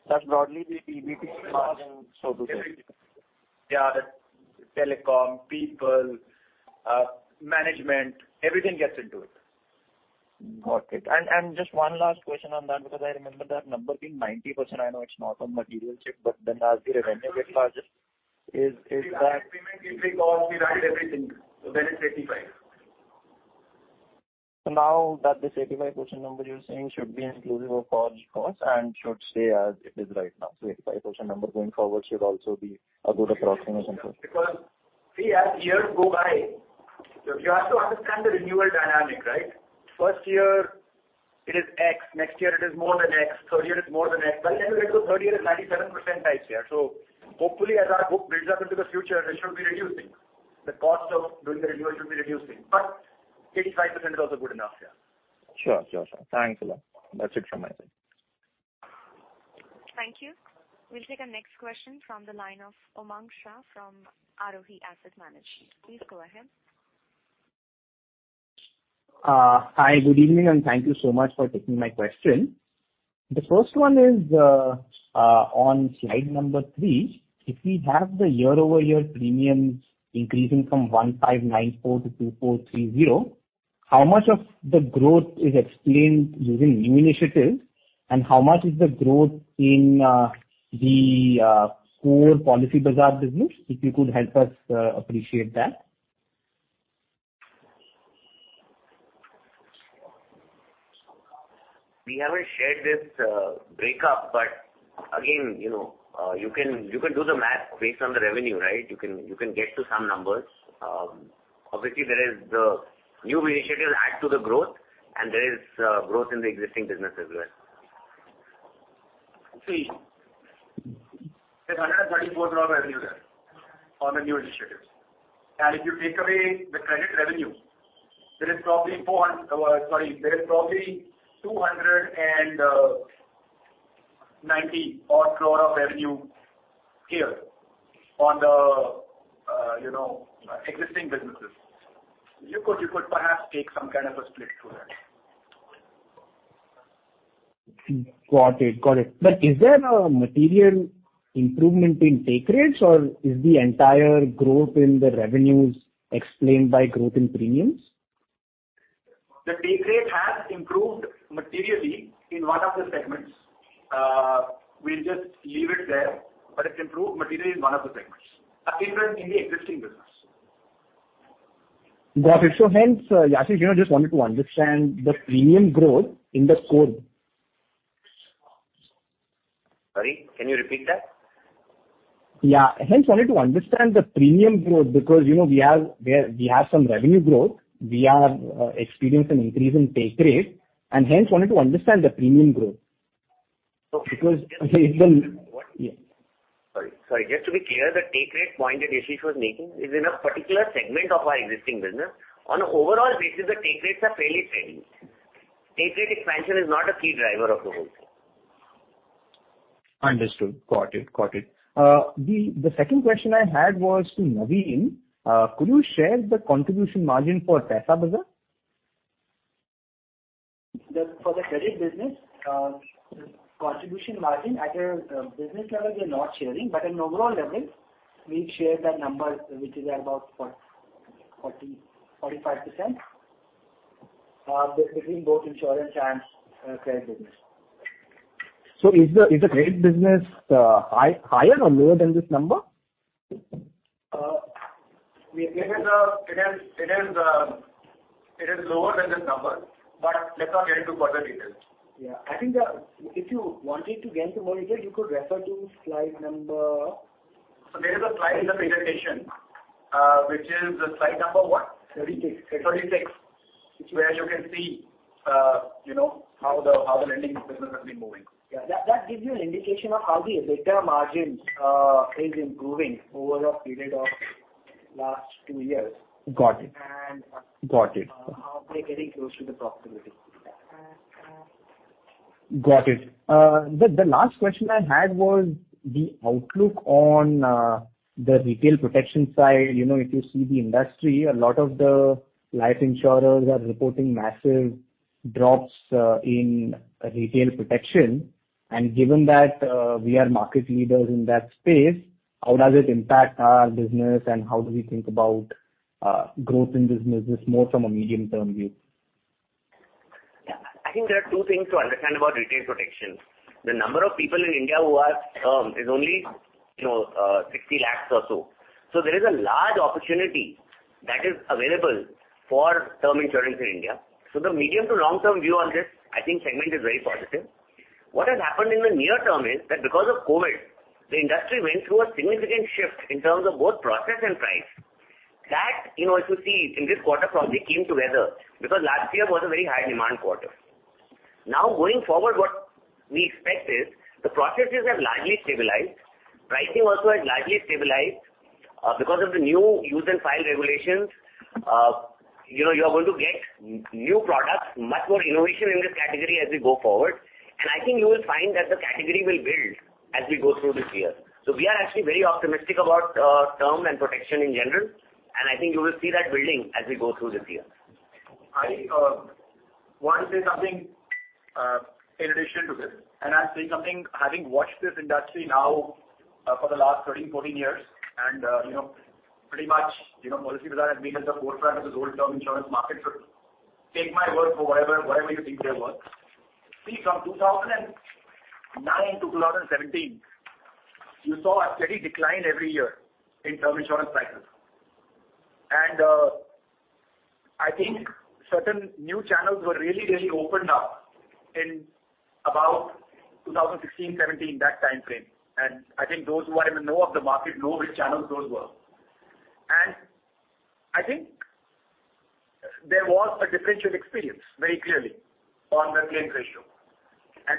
That's broadly the EBITDA and so to say. Yeah. The telecom, people, management, everything gets into it. Got it. Just one last question on that, because I remember that number being 90%. I know it's not a material shift, but then as the revenue gets larger, is that? If I agree with you because we write everything, then it's 85. Now that this 85% number you're saying should be inclusive of all costs and should stay as it is right now. 85% number going forward should also be a good approximation. Because see, as years go by, you have to understand the renewal dynamic, right? First year it is X, next year it is more than X, third year it is more than X. By the time you get to third year is 97% types here. Hopefully as our book builds up into the future, it should be reducing. The cost of doing the renewal should be reducing. 85% is also good enough, yeah. Sure. Thanks a lot. That's it from my side. Thank you. We'll take our next question from the line of Umang Shah from Arohi Asset Management. Please go ahead. Hi, good evening, and thank you so much for taking my question. The first one is on slide number three. If we have the year-over-year premiums increasing from 1,594 to 2,430, how much of the growth is explained using new initiatives and how much is the growth in the core Policybazaar business? If you could help us appreciate that. We haven't shared this breakup, but again, you know, you can do the math based on the revenue, right? You can get to some numbers. Obviously there is the new initiatives add to the growth and there is growth in the existing business as well. See, there's another 34,000 revenue there on the new initiatives. If you take away the credit revenue, there is probably 290-odd crore of revenue here on the, you know, existing businesses. You could perhaps take some kind of a split to that. Got it. Is there a material improvement in take rates or is the entire growth in the revenues explained by growth in premiums? The take rate has improved materially in one of the segments. We'll just leave it there, but it's improved materially in one of the segments. Improvement in the existing business. Got it. Hence, Yashish, you know, just wanted to understand the premium growth in the core. Sorry, can you repeat that? Yeah. Hence wanted to understand the premium growth because, you know, we have some revenue growth. We are experiencing increase in take rate and hence wanted to understand the premium growth. Because if the Sorry. Just to be clear, the take rate point that Yashish was making is in a particular segment of our existing business. On an overall basis, the take rates are fairly steady. Take rate expansion is not a key driver of the whole thing. Understood. Got it. The second question I had was to Naveen. Could you share the contribution margin for Paisabazaar? For the credit business, contribution margin at a business level, we are not sharing, but in overall level, we share that number which is about 40%-45% between both insurance and credit business. Is the credit business higher or lower than this number? It is lower than this number, but let's not get into further details. Yeah. I think, if you wanted to get into more detail, you could refer to slide number. There is a slide in the presentation, which is slide number what? Thirty-six. 36. Where you can see, you know, how the lending business has been moving. Yeah. That gives you an indication of how the EBITDA margin is improving over a period of last two years. Got it. And- Got it. How they're getting close to the profitability. Got it. The last question I had was the outlook on the retail protection side. You know, if you see the industry, a lot of the life insurers are reporting massive drops in retail protection. Given that, we are market leaders in that space, how does it impact our business and how do we think about growth in business just more from a medium-term view? I think there are two things to understand about retail protection. The number of people in India who are term is only, you know, 60 lakhs or so. There is a large opportunity that is available for term insurance in India. The medium to long-term view on this, I think segment is very positive. What has happened in the near term is that because of COVID, the industry went through a significant shift in terms of both process and price. That, you know, if you see in this quarter probably came together, because last year was a very high demand quarter. Now, going forward, what we expect is the processes have largely stabilized. Pricing also has largely stabilized. Because of the new Use and File regulations, you know, you are going to get new products, much more innovation in this category as we go forward. I think you will find that the category will build as we go through this year. We are actually very optimistic about term and protection in general, and I think you will see that building as we go through this year. I want to say something in addition to this, and I'll say something having watched this industry now for the last 13, 14 years and you know, pretty much, you know, Policybazaar has been at the forefront of this whole term insurance market. Take my word for whatever you think they're worth. See, from 2009 to 2017, you saw a steady decline every year in term insurance prices. I think certain new channels were really, really opened up in about 2016, 2017, that timeframe. I think those who are in the know of the market know which channels those were. I think there was a differential experience very clearly on the claim ratio.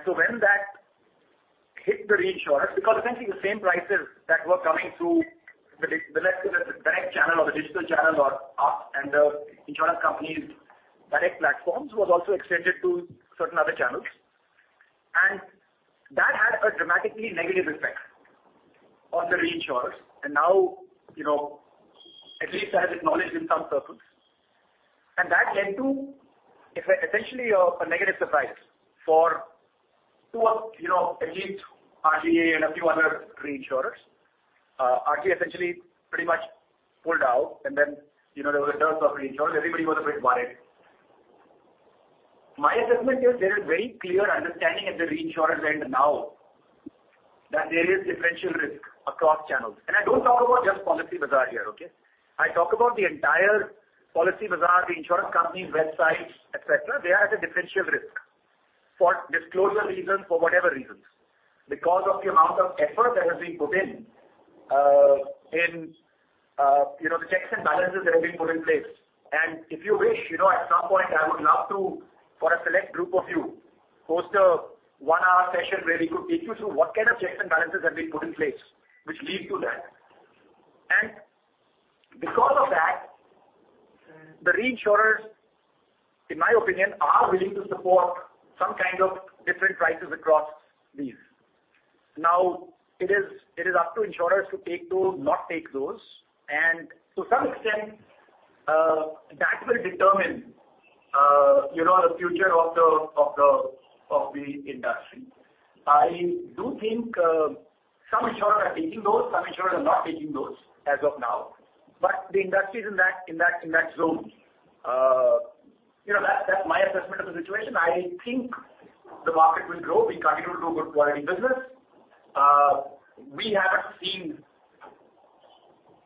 When that hit the reinsurers, because essentially the same prices that were coming through the the let's say the direct channel or the digital channel or us and the insurance companies' direct platforms was also extended to certain other channels. That had a dramatically negative effect on the reinsurers. Now, you know, at least that is acknowledged in some circles. That led to essentially a negative surprise for two of, you know, at least RGA and a few other reinsurers. RGA essentially pretty much pulled out and then, you know, there was a dearth of reinsurers. Everybody was a bit worried. My assessment is there is very clear understanding at the reinsurer end now that there is differential risk across channels. I don't talk about just Policybazaar here, okay? I talk about the entire Policybazaar, the insurance company websites, et cetera. They are at a differential risk for disclosure reasons, for whatever reasons, because of the amount of effort that has been put in, you know, the checks and balances that have been put in place. If you wish, you know, at some point, I would love to, for a select group of you, host a one-hour session where we could take you through what kind of checks and balances have been put in place which leads to that. Because of that, the reinsurers, in my opinion, are willing to support some kind of different prices across these. Now, it is up to insurers to take those, not take those, and to some extent, that will determine, you know, the future of the industry. I do think some insurers are taking those, some insurers are not taking those as of now, but the industry is in that zone. You know, that's my assessment of the situation. I think the market will grow. We continue to do good quality business. We haven't seen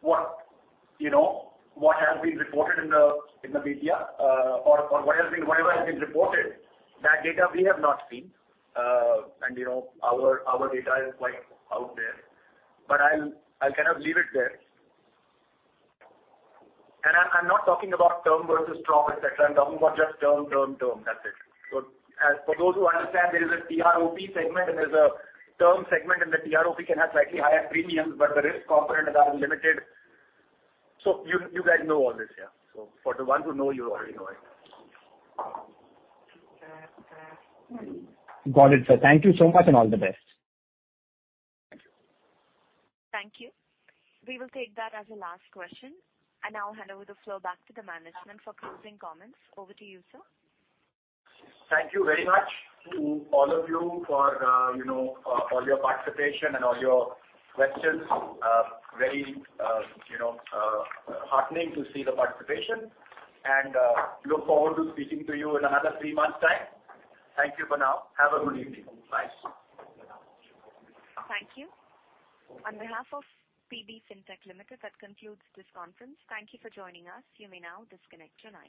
what has been reported in the media or whatever has been reported, that data we have not seen. You know, our data is quite out there. I'll kind of leave it there. I'm not talking about term versus TROP, et cetera. I'm talking about just term. That's it. As for those who understand, there is a TROP segment and there's a term segment, and the TROP can have slightly higher premiums, but the risk component is unlimited. You guys know all this, yeah. For the ones who know, you already know it. Got it, sir. Thank you so much and all the best. Thank you. Thank you. We will take that as a last question. Now I'll hand over the floor back to the management for closing comments. Over to you, sir. Thank you very much to all of you for you know for your participation and all your questions. Very you know heartening to see the participation and look forward to speaking to you in another three months' time. Thank you for now. Have a good evening. Bye. Thank you. On behalf of PB Fintech Limited, that concludes this conference. Thank you for joining us. You may now disconnect your lines.